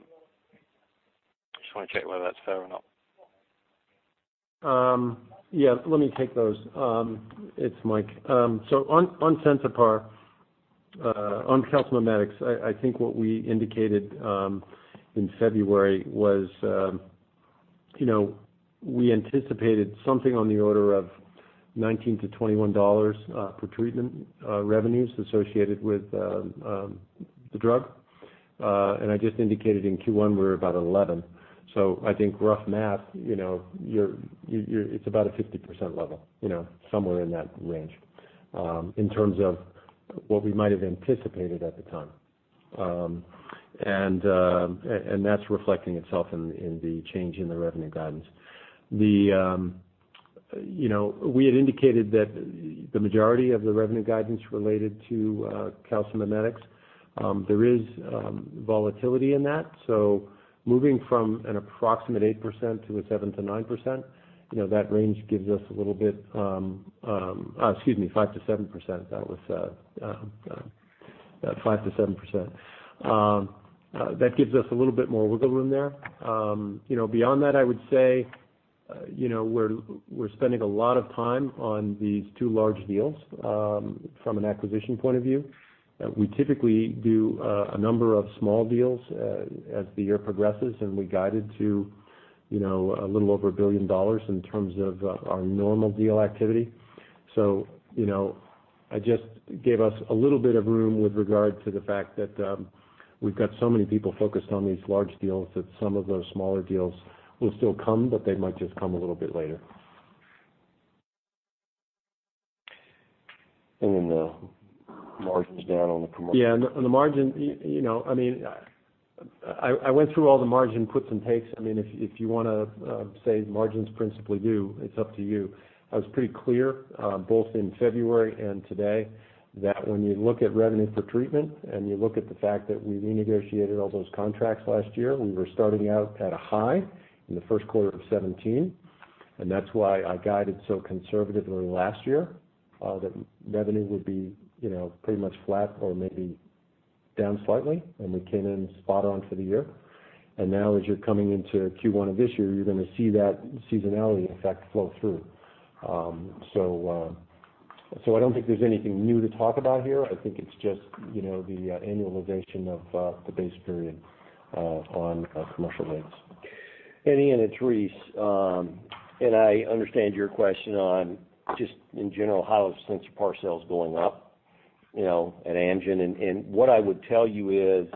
want to check whether that's fair or not. Yeah. Let me take those. It's Mike. On Sensipar, on calcimimetics, I think what we indicated in February was we anticipated something on the order of $19-$21 for treatment revenues associated with the drug. And I just indicated in Q1, we're about 11. I think rough math, it's about a 50% level, somewhere in that range, in terms of what we might have anticipated at the time. And that's reflecting itself in the change in the revenue guidance. We had indicated that the majority of the revenue guidance related to calcimimetics. There is volatility in that. Moving from an approximate 8% to a 7%-9%, that range gives us a little bit, excuse me, 5%-7%. That was 5%-7%. That gives us a little bit more wiggle room there. Beyond that, I would say we're spending a lot of time on these two large deals from an acquisition point of view. We typically do a number of small deals as the year progresses, and we guided to a little over EUR 1 billion in terms of our normal deal activity. I just gave us a little bit of room with regard to the fact that we've got so many people focused on these large deals that some of those smaller deals will still come, but they might just come a little bit later. The margin's down on the commercial. Yeah, on the margin, I went through all the margin puts and takes. If you want to say margins principally due, it's up to you. I was pretty clear both in February and today that when you look at revenue for treatment and you look at the fact that we renegotiated all those contracts last year, we were starting out at a high in the first quarter of 2017, and that's why I guided so conservatively last year that revenue would be pretty much flat or maybe down slightly, and we came in spot on for the year. Now as you're coming into Q1 of this year, you're going to see that seasonality effect flow through. I don't think there's anything new to talk about here. I think it's just the annualization of the base period on commercial rents. Ian, it's Rice. I understand your question on just in general, how has Sensipar sales going up at Amgen? What I would tell you is,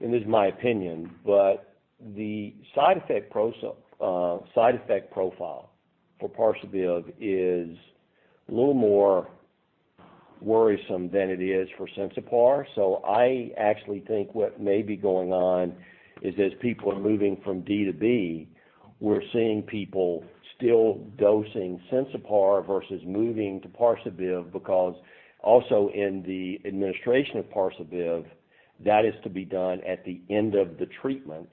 and this is my opinion, but the side effect profile for Parsabiv is a little more worrisome than it is for Sensipar. I actually think what may be going on is as people are moving from Part D to Part B, we're seeing people still dosing Sensipar versus moving to Parsabiv because also in the administration of Parsabiv, that is to be done at the end of the treatment.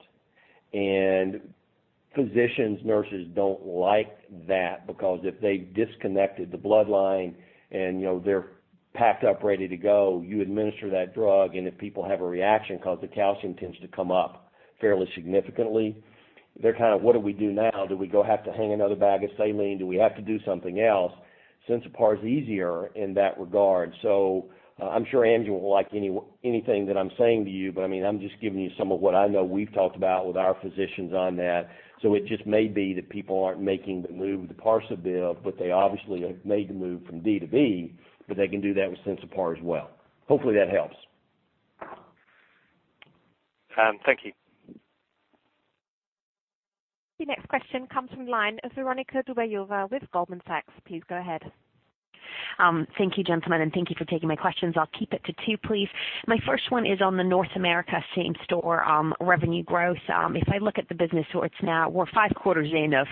Physicians, nurses don't like that because if they disconnected the bloodline and they're packed up ready to go, you administer that drug, and if people have a reaction because the calcium tends to come up fairly significantly, they're kind of, "What do we do now? Do we go have to hang another bag of saline? Do we have to do something else?" Sensipar is easier in that regard. I'm sure Andrew won't like anything that I'm saying to you, but I'm just giving you some of what I know we've talked about with our physicians on that. It just may be that people aren't making the move with the Parsabiv, but they obviously have made the move from Part D to Part B, but they can do that with Sensipar as well. Hopefully that helps. Thank you. The next question comes from the line of Veronika Dubajova with Goldman Sachs. Please go ahead. Thank you, gentlemen, and thank you for taking my questions. I'll keep it to two, please. My first one is on the North America same-store revenue growth. If I look at the business where it's now, we're five quarters in of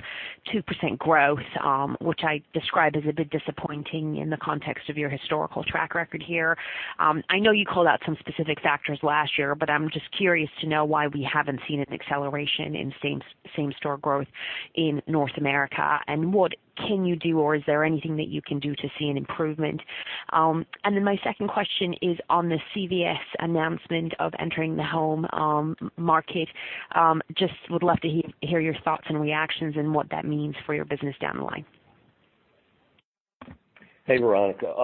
2% growth, which I describe as a bit disappointing in the context of your historical track record here. I know you called out some specific factors last year, but I'm just curious to know why we haven't seen an acceleration in same-store growth in North America, and what can you do, or is there anything that you can do to see an improvement? My second question is on the CVS announcement of entering the home market. Just would love to hear your thoughts and reactions and what that means for your business down the line. Hey, Veronika.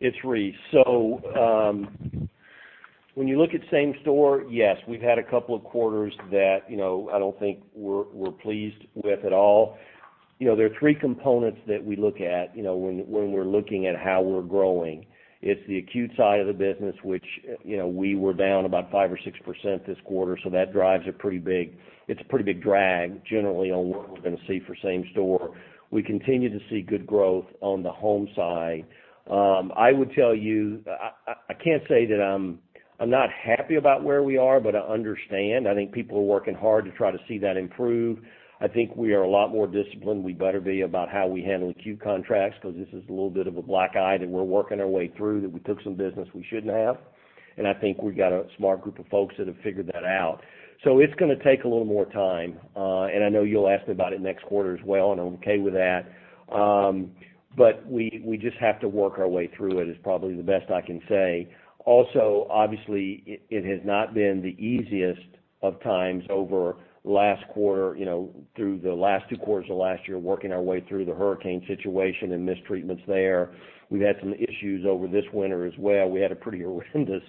It's Rice. When you look at same store, yes, we've had a couple of quarters that I don't think we're pleased with at all. There are three components that we look at when we're looking at how we're growing. It's the acute side of the business, which we were down about 5% or 6% this quarter, so that it's a pretty big drag generally on what we're going to see for same store. We continue to see good growth on the home side. I would tell you, I can't say that I'm not happy about where we are, but I understand. I think people are working hard to try to see that improve. I think we are a lot more disciplined. We better be about how we handle acute contracts because this is a little bit of a black eye that we're working our way through, that we took some business we shouldn't have. I think we've got a smart group of folks that have figured that out. It's going to take a little more time. I know you'll ask me about it next quarter as well, and I'm okay with that. We just have to work our way through it, is probably the best I can say. Also, obviously, it has not been the easiest of times over last quarter, through the last two quarters of last year, working our way through the hurricane situation and mistreatments there. We've had some issues over this winter as well. We had a pretty horrendous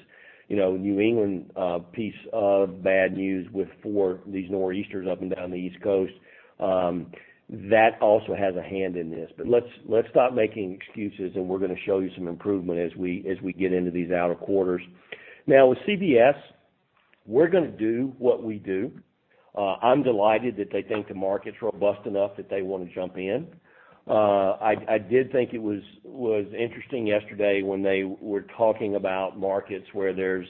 New England piece of bad news with four of these nor'easters up and down the East Coast. That also has a hand in this. Let's stop making excuses, and we're going to show you some improvement as we get into these outer quarters. With CVS, we're going to do what we do. I'm delighted that they think the market's robust enough that they want to jump in. I did think it was interesting yesterday when they were talking about markets where there's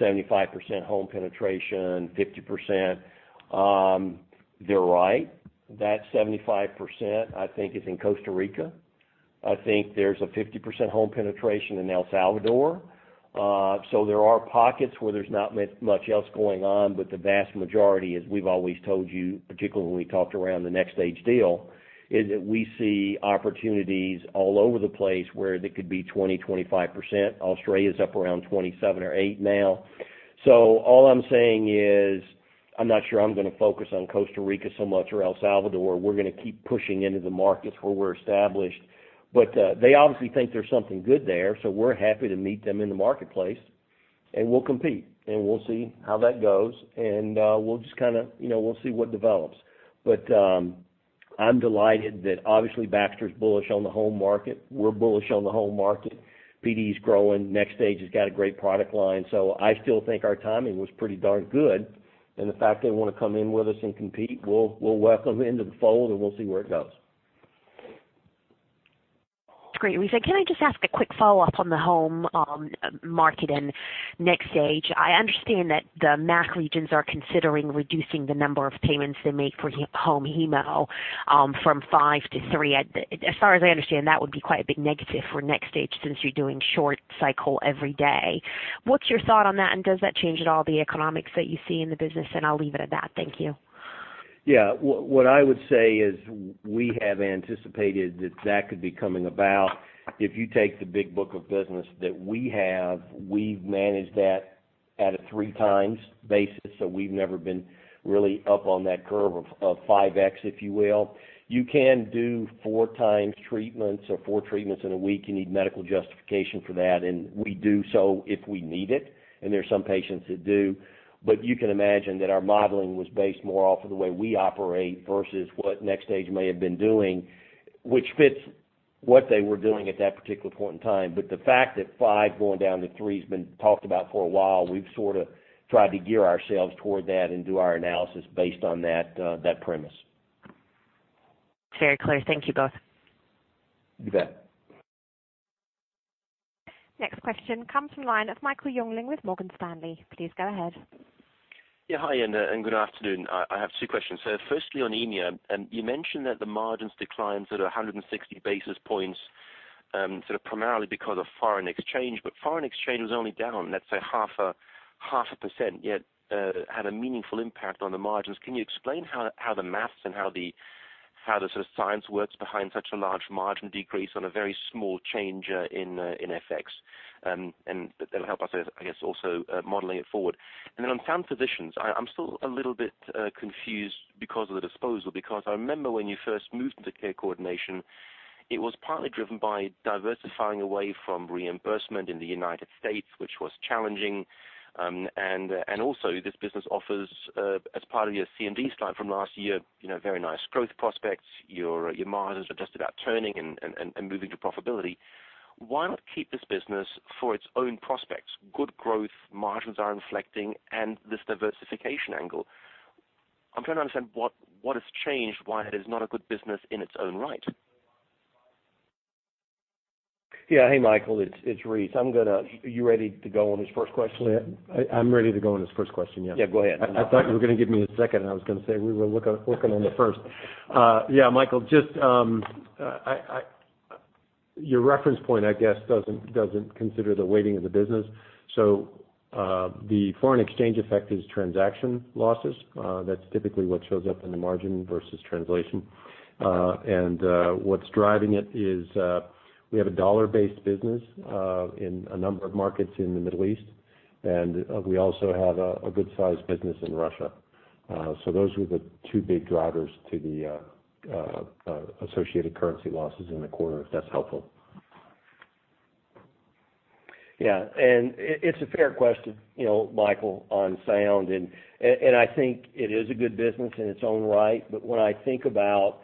75% home penetration, 50%. They're right. That 75%, I think, is in Costa Rica. I think there's a 50% home penetration in El Salvador. There are pockets where there's not much else going on, but the vast majority, as we've always told you, particularly when we talked around the NxStage deal, is that we see opportunities all over the place where they could be 20%, 25%. Australia's up around 27 or 28 now. All I'm saying is, I'm not sure I'm going to focus on Costa Rica so much or El Salvador. We're going to keep pushing into the markets where we're established. They obviously think there's something good there, so we're happy to meet them in the marketplace, and we'll compete, and we'll see how that goes. We'll just kind of see what develops. I'm delighted that obviously Baxter's bullish on the home market. We're bullish on the home market. PD's growing. NxStage has got a great product line. I still think our timing was pretty darn good. The fact they want to come in with us and compete, we'll welcome them into the fold, and we'll see where it goes. That's great, Rice. Can I just ask a quick follow-up on the home market and NxStage? I understand that the MAC regions are considering reducing the number of payments they make for home hemo from five to three. As far as I understand, that would be quite a big negative for NxStage since you're doing short cycle every day. What's your thought on that, and does that change at all the economics that you see in the business? I'll leave it at that. Thank you. Yeah. What I would say is we have anticipated that that could be coming about. If you take the big book of business that we have, we've managed that at a three times basis, so we've never been really up on that curve of 5X, if you will. You can do four times treatments or four treatments in a week. You need medical justification for that, and we do so if we need it, and there are some patients that do. You can imagine that our modeling was based more off of the way we operate versus what NxStage may have been doing, which fits what they were doing at that particular point in time. The fact that five going down to three has been talked about for a while, we've sort of tried to gear ourselves toward that and do our analysis based on that premise. Very clear. Thank you both. You bet. Next question comes from the line of Michael Jüngling with Morgan Stanley. Please go ahead. Yeah. Hi, good afternoon. I have two questions. Firstly, on EMEA, you mentioned that the margins declines at 160 basis points sort of primarily because of foreign exchange, but foreign exchange was only down, let's say, half a %, yet had a meaningful impact on the margins. Can you explain how the maths and how the sort of science works behind such a large margin decrease on a very small change in FX? That'll help us, I guess, also modeling it forward. Then on Sound Physicians, I'm still a little bit confused because of the disposal, because I remember when you first moved into care coordination It was partly driven by diversifying away from reimbursement in the United States, which was challenging. Also this business offers, as part of your C&D slide from last year, very nice growth prospects. Your margins are just about turning and moving to profitability. Why not keep this business for its own prospects? Good growth, margins are inflecting and this diversification angle. I'm trying to understand what has changed, why it is not a good business in its own right. Yeah. Hey, Michael, it's Rice. Are you ready to go on his first question? I'm ready to go on his first question, yeah. Go ahead. I thought you were going to give me a second, and I was going to say we were working on the first. Michael, your reference point, I guess, doesn't consider the weighting of the business. The foreign exchange effect is transaction losses. That's typically what shows up in the margin versus translation. What's driving it is, we have a dollar-based business in a number of markets in the Middle East, and we also have a good-sized business in Russia. Those were the two big drivers to the associated currency losses in the quarter, if that's helpful. It's a fair question, Michael, on Sound. I think it is a good business in its own right. When I think about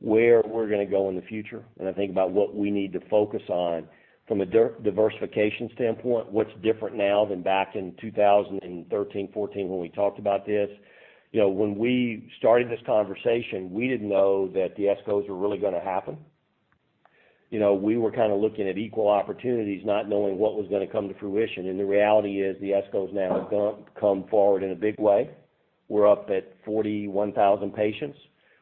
where we're going to go in the future, and I think about what we need to focus on from a diversification standpoint, what's different now than back in 2013, 2014, when we talked about this. When we started this conversation, we didn't know that the ESCOs were really going to happen. We were kind of looking at equal opportunities, not knowing what was going to come to fruition. The reality is the ESCOs now have come forward in a big way. We're up at 41,000 patients.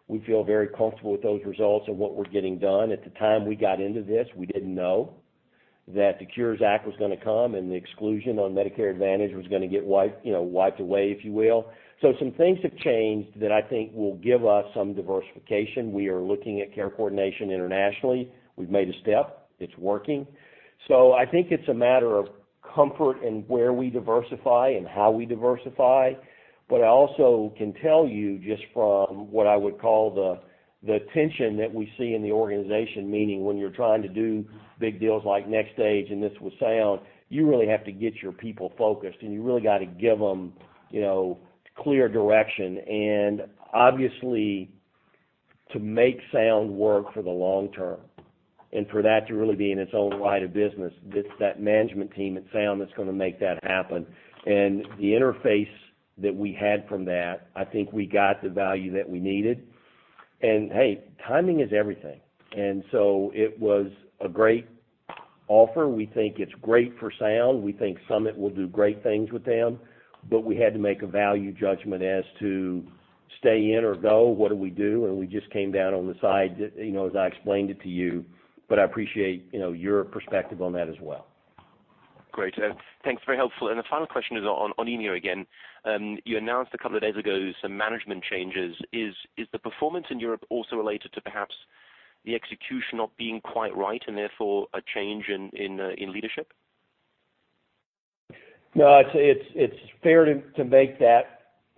We feel very comfortable with those results and what we're getting done. At the time we got into this, we didn't know that the Cures Act was going to come and the exclusion on Medicare Advantage was going to get wiped away, if you will. Some things have changed that I think will give us some diversification. We are looking at care coordination internationally. We've made a step. It's working. I think it's a matter of comfort and where we diversify and how we diversify. I also can tell you just from what I would call the attention that we see in the organization, meaning when you're trying to do big deals like NxStage and this with Sound, you really have to get your people focused, and you really got to give them clear direction. Obviously, to make Sound work for the long term and for that to really be in its own right of business, it's that management team at Sound that's going to make that happen. The interface that we had from that, I think we got the value that we needed. Hey, timing is everything, it was a great offer. We think it's great for Sound. We think Summit will do great things with them. We had to make a value judgment as to stay in or go, what do we do? We just came down on the side, as I explained it to you. I appreciate your perspective on that as well. Great. Thanks, very helpful. The final question is on EMEA again. You announced a couple of days ago some management changes. Is the performance in Europe also related to perhaps the execution not being quite right and therefore a change in leadership? It's fair to make that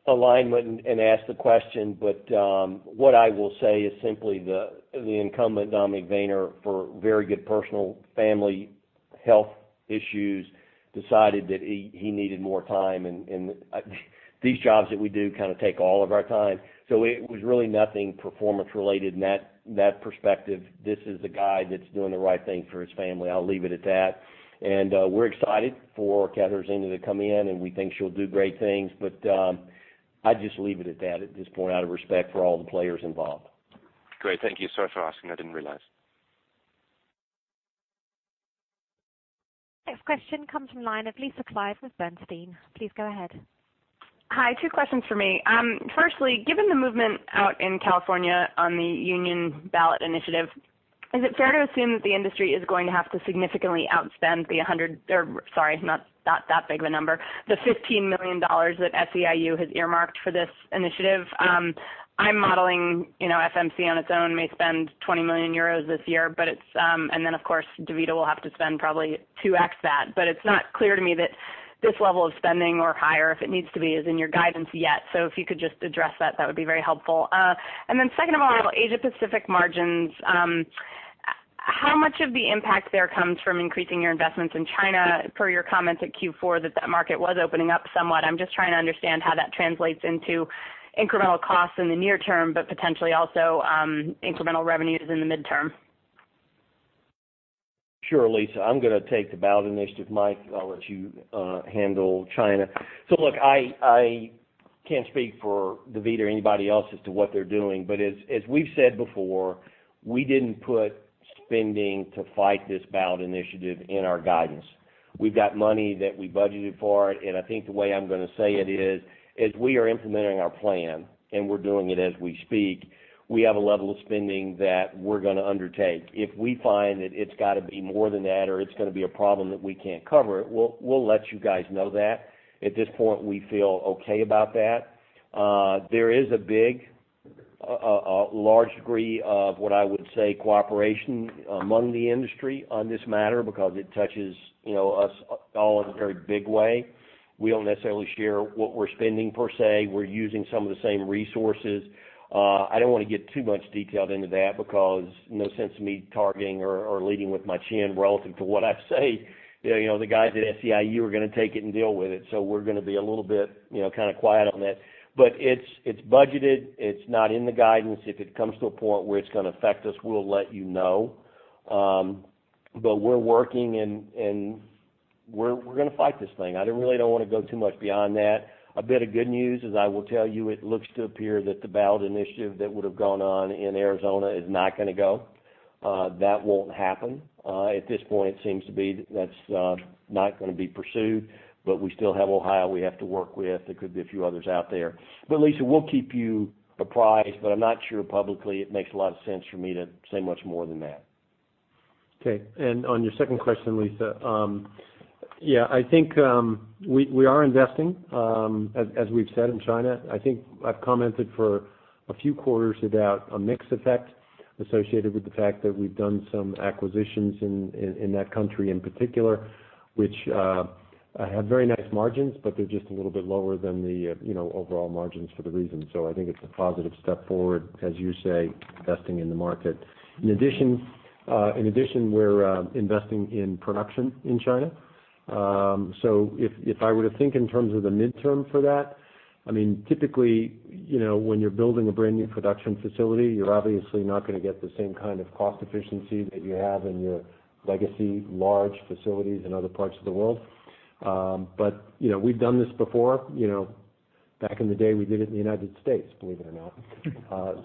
alignment and ask the question, what I will say is simply the incumbent, Dominik Heger, for very good personal family health issues, decided that he needed more time, these jobs that we do kind of take all of our time. It was really nothing performance related in that perspective. This is a guy that's doing the right thing for his family. I'll leave it at that. We're excited for Katarzyna to come in, we think she'll do great things. I'd just leave it at that at this point out of respect for all the players involved. Great. Thank you. Sorry for asking. I didn't realize. Next question comes from the line of Lisa Clive with Bernstein. Please go ahead. Hi. Two questions for me. Firstly, given the movement out in California on the union ballot initiative, is it fair to assume that the industry is going to have to significantly outspend the $15 million that SEIU has earmarked for this initiative? I'm modeling FMC on its own may spend 20 million euros this year, but DaVita will have to spend probably 2x that. It's not clear to me that this level of spending or higher, if it needs to be, is in your guidance yet. If you could just address that would be very helpful. Second of all, Asia Pacific margins. How much of the impact there comes from increasing your investments in China per your comments at Q4 that that market was opening up somewhat? I'm just trying to understand how that translates into incremental costs in the near term, but potentially also incremental revenues in the midterm. Sure, Lisa. I'm going to take the ballot initiative. Mike, I'll let you handle China. Look, I can't speak for DaVita Inc. or anybody else as to what they're doing. As we've said before, we didn't put spending to fight this ballot initiative in our guidance. We've got money that we budgeted for it, and I think the way I'm going to say it is, as we are implementing our plan, and we're doing it as we speak, we have a level of spending that we're going to undertake. If we find that it's got to be more than that or it's going to be a problem that we can't cover, we'll let you guys know that. At this point, we feel okay about that. There is a large degree of what I would say cooperation among the industry on this matter because it touches us all in a very big way. We don't necessarily share what we're spending per se. We're using some of the same resources. I don't want to get too much detailed into that because no sense in me targeting or leading with my chin relative to what I say. The guys at Service Employees International Union are going to take it and deal with it. We're going to be a little bit quiet on that. It's budgeted. It's not in the guidance. If it comes to a point where it's going to affect us, we'll let you know. We're working and we're going to fight this thing. I really don't want to go too much beyond that. A bit of good news is I will tell you it appears that the ballot initiative that would have gone on in Arizona is not going to go. That won't happen. At this point it seems to be that's not going to be pursued, but we still have Ohio we have to work with. There could be a few others out there. Lisa, we'll keep you apprised, but I'm not sure publicly it makes a lot of sense for me to say much more than that. Okay. On your second question, Lisa. I think we are investing, as we've said, in China. I think I've commented for a few quarters about a mix effect associated with the fact that we've done some acquisitions in that country in particular, which have very nice margins. They're just a little bit lower than the overall margins for the reason. I think it's a positive step forward, as you say, investing in the market. In addition, we're investing in production in China. If I were to think in terms of the midterm for that, typically, when you're building a brand-new production facility, you're obviously not going to get the same kind of cost efficiency that you have in your legacy large facilities in other parts of the world. We've done this before. Back in the day, we did it in the U.S., believe it or not.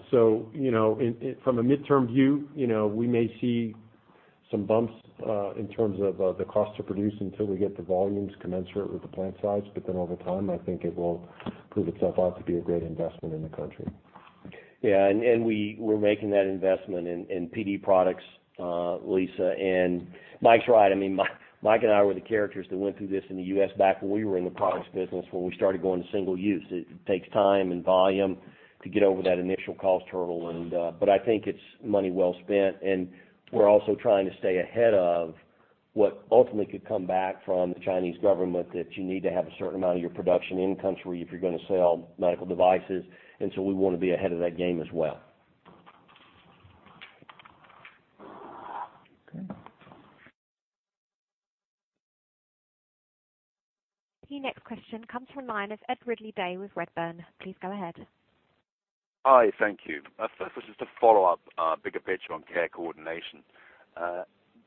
From a midterm view, we may see some bumps in terms of the cost to produce until we get the volumes commensurate with the plant size. Over time, I think it will prove itself out to be a great investment in the country. Yeah, we're making that investment in PD products, Lisa, and Mike's right. Mike and I were the characters that went through this in the U.S. back when we were in the products business, when we started going to single use. It takes time and volume to get over that initial cost hurdle. I think it's money well spent. We're also trying to stay ahead of what ultimately could come back from the Chinese government that you need to have a certain amount of your production in-country if you're going to sell medical devices. We want to be ahead of that game as well. Okay. The next question comes from the line of Ed Ridley-Day with Redburn. Please go ahead. Hi, thank you. This is to follow up bigger picture on care coordination.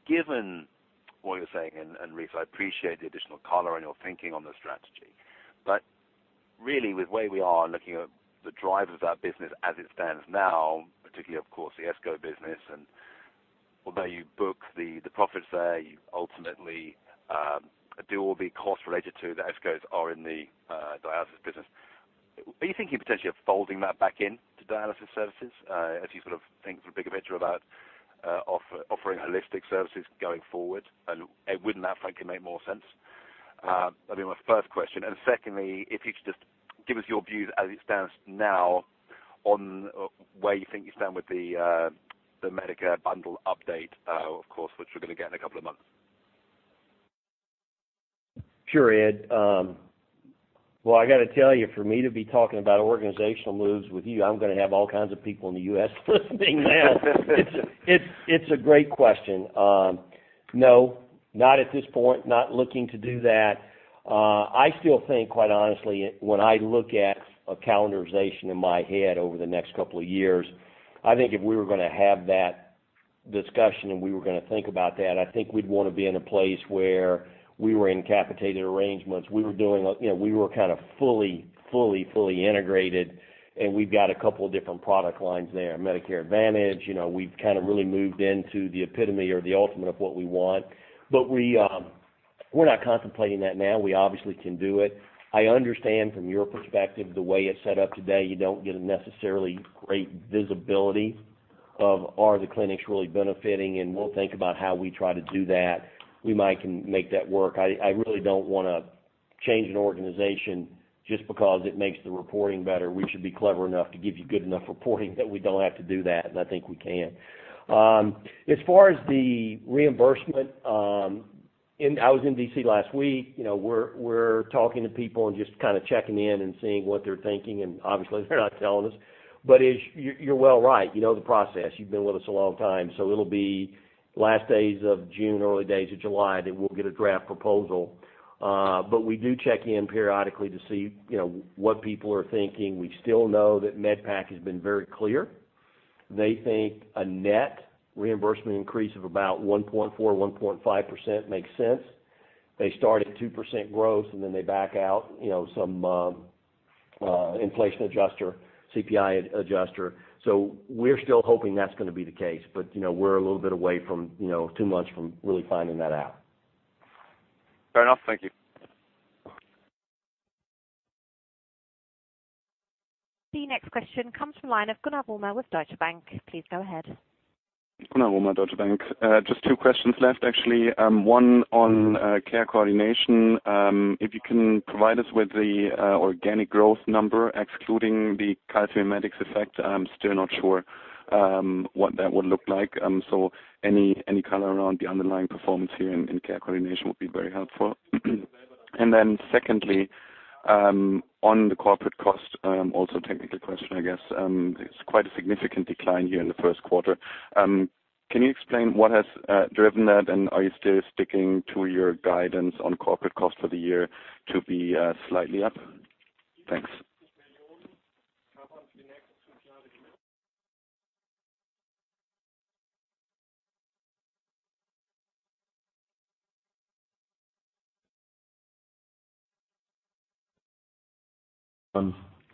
Given what you're saying, Rice, I appreciate the additional color on your thinking on the strategy. Really with where we are looking at the drivers of that business as it stands now, particularly, of course, the ESCO business. Although you book the profits there, you ultimately do all the costs related to the ESCOs are in the dialysis business. Are you thinking potentially of folding that back into dialysis services as you sort of think through bigger picture about offering holistic services going forward? Wouldn't that frankly make more sense? That'd be my first question. Secondly, if you could just give us your views as it stands now on where you think you stand with the Medicare bundle update, of course, which we're going to get in a couple of months. Sure, Ed. Well, I got to tell you, for me to be talking about organizational moves with you, I'm going to have all kinds of people in the U.S. listening now. It's a great question. No, not at this point, not looking to do that. I still think, quite honestly, when I look at a calendarization in my head over the next couple of years, I think if we were going to have that discussion and we were going to think about that, I think we'd want to be in a place where we were in capitated arrangements. We were fully integrated, and we've got a couple different product lines there. Medicare Advantage, we've kind of really moved into the epitome or the ultimate of what we want. We're not contemplating that now. We obviously can do it. I understand from your perspective, the way it's set up today, you don't get a necessarily great visibility of are the clinics really benefiting, and we'll think about how we try to do that. We might can make that work. I really don't want to change an organization just because it makes the reporting better. We should be clever enough to give you good enough reporting that we don't have to do that, and I think we can. As far as the reimbursement, I was in D.C. last week. We're talking to people and just kind of checking in and seeing what they're thinking, and obviously they're not telling us. You're well right. You know the process. You've been with us a long time. It'll be last days of June, early days of July that we'll get a draft proposal. We do check in periodically to see what people are thinking. We still know that MedPAC has been very clear. They think a net reimbursement increase of about 1.4%-1.5% makes sense. They start at 2% growth, and then they back out some inflation adjuster, CPI adjuster. We're still hoping that's going to be the case, but we're a little bit away from two months from really finding that out. Fair enough. Thank you. The next question comes from the line of Gunnar Wüllmer with Deutsche Bank. Please go ahead. Gunnar Wüllmer at Deutsche Bank. Just two questions left, actually. One on care coordination. If you can provide us with the organic growth number excluding the calcimimetics effect. I am still not sure what that would look like. Any color around the underlying performance here in care coordination would be very helpful. Secondly, on the corporate cost, also technical question, I guess. It's quite a significant decline here in the first quarter. Can you explain what has driven that? Are you still sticking to your guidance on corporate cost for the year to be slightly up? Thanks.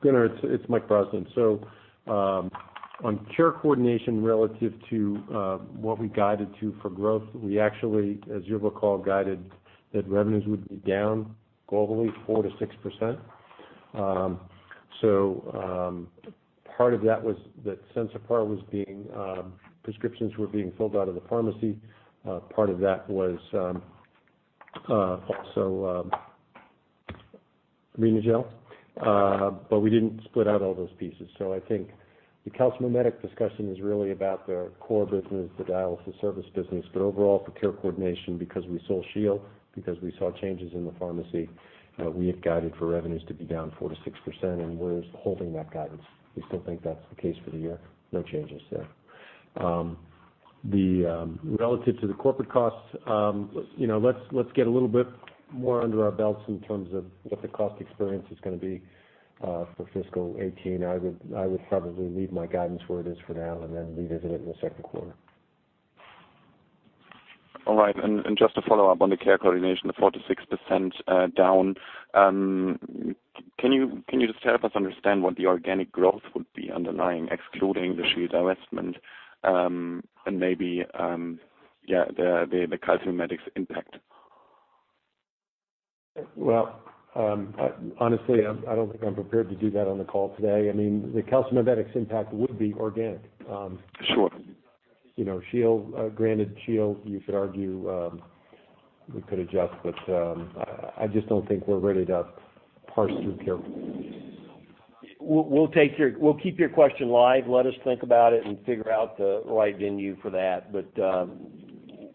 Gunnar, it's Mike Brosnan. On care coordination relative to what we guided to for growth, we actually, as you'll recall, guided that revenues would be down globally 4%-6%. Part of that was that Sensipar prescriptions were being filled out of the pharmacy. Part of that was also Renagel. We didn't split out all those pieces. I think the calcimimetic discussion is really about their core business, the dialysis service business. Overall, for care coordination, because we sold Shiel, because we saw changes in the pharmacy, we had guided for revenues to be down 4%-6% and we're holding that guidance. We still think that's the case for the year. No changes there. Relative to the corporate costs, let's get a little bit more under our belts in terms of what the cost experience is going to be for fiscal 2018. I would probably leave my guidance where it is for now then revisit it in the second quarter. Just to follow up on the care coordination, the 4%-6% down. Can you just help us understand what the organic growth would be underlying, excluding the Shiel divestment, and maybe, yeah, the calcimimetics impact? Well, honestly, I don't think I'm prepared to do that on the call today. The calcimimetics impact would be organic. Sure. Shiel, granted, you could argue we could adjust, I just don't think we're ready to parse through care. We'll keep your question live. Let us think about it and figure out the right venue for that.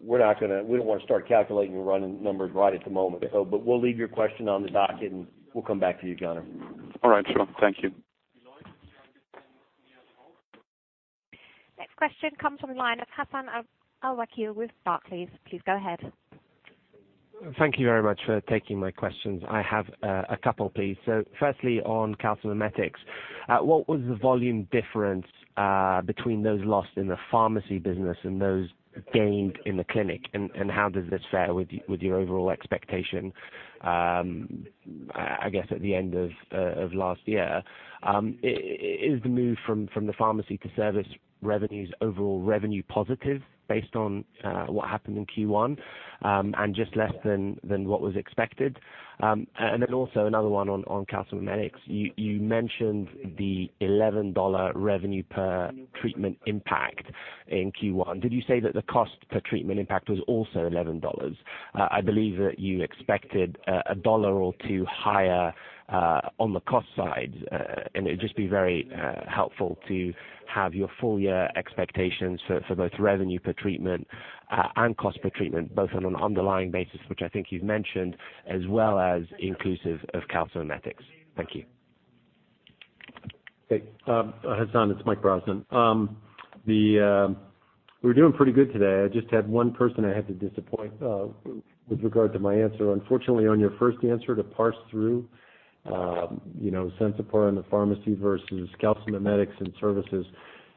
We don't want to start calculating and running numbers right at the moment. We'll leave your question on the docket, and we'll come back to you, Gunnar. All right. Sure. Thank you. Next question comes from the line of Hassan Al-Wakeel with Barclays. Please go ahead. Thank you very much for taking my questions. I have a couple, please. Firstly, on calcimimetics, what was the volume difference between those lost in the pharmacy business and those gained in the clinic? How does this fare with your overall expectation, I guess, at the end of last year? Is the move from the pharmacy to service revenues overall revenue positive based on what happened in Q1 and just less than what was expected? Then also another one on calcimimetics. You mentioned the $11 revenue per treatment impact in Q1. Did you say that the cost per treatment impact was also $11? I believe that you expected a dollar or two higher on the cost side. It'd just be very helpful to have your full year expectations for both revenue per treatment and cost per treatment, both on an underlying basis, which I think you've mentioned, as well as inclusive of calcimimetics. Thank you. Hey Hassan, it's Mike Brosnan. We're doing pretty good today. I just had one person I had to disappoint with regard to my answer. Unfortunately, on your first answer to parse through Sensipar in the pharmacy versus calcimimetics and services.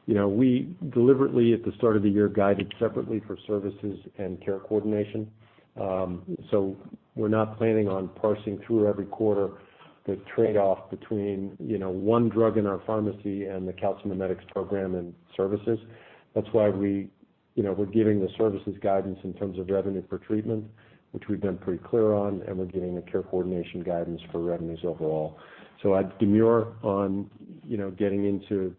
We deliberately, at the start of the year, guided separately for services and care coordination. We're not planning on parsing through every quarter the trade-off between one drug in our pharmacy and the calcimimetics program and services. That's why we're giving the services guidance in terms of revenue per treatment, which we've been pretty clear on, and we're giving the care coordination guidance for revenues overall. I'd demure on getting into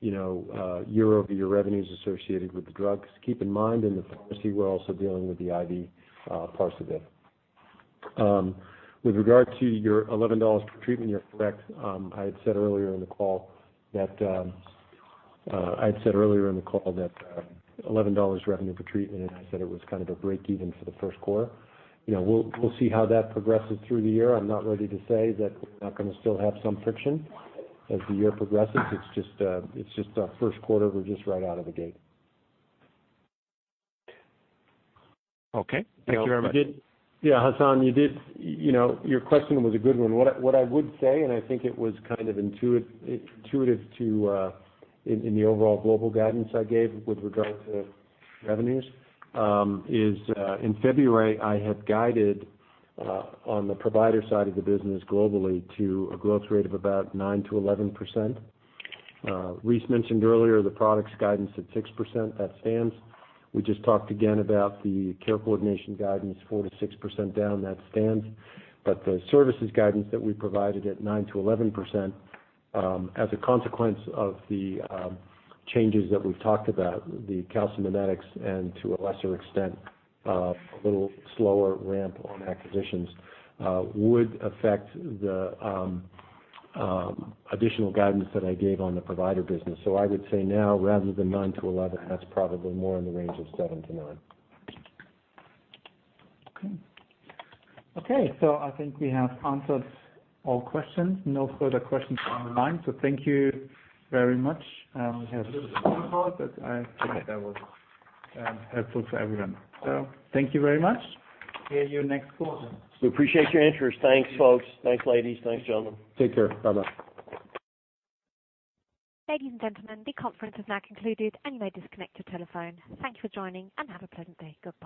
year-over-year revenues associated with the drugs. Keep in mind, in the pharmacy, we're also dealing with the IV parts of it. With regard to your $11 per treatment, you're correct. I had said earlier in the call that EUR 11 revenue per treatment, and I said it was kind of a break-even for the first quarter. We'll see how that progresses through the year. I'm not ready to say that we're not going to still have some friction as the year progresses. It's just our first quarter, we're just right out of the gate. Okay. Thank you very much. Yeah, Hassan, your question was a good one. What I would say, and I think it was intuitive in the overall global guidance I gave with regard to revenues, is in February, I had guided on the provider side of the business globally to a growth rate of about 9%-11%. Rice mentioned earlier the products guidance at 6%. That stands. We just talked again about the care coordination guidance, 4%-6% down. That stands. The services guidance that we provided at 9%-11%, as a consequence of the changes that we've talked about, the calcimimetics and, to a lesser extent, a little slower ramp on acquisitions would affect the additional guidance that I gave on the provider business. I would say now rather than 9%-11%, that's probably more in the range of 7%-9%. I think we have answered all questions. No further questions on the line. Thank you very much. We have a little bit of an overlap, but I think that was helpful for everyone. Thank you very much. See you next quarter. We appreciate your interest. Thanks, folks. Thanks, ladies. Thanks, gentlemen. Take care. Bye-bye. Ladies and gentlemen, the conference has now concluded, and you may disconnect your telephone. Thank you for joining, and have a pleasant day. Goodbye.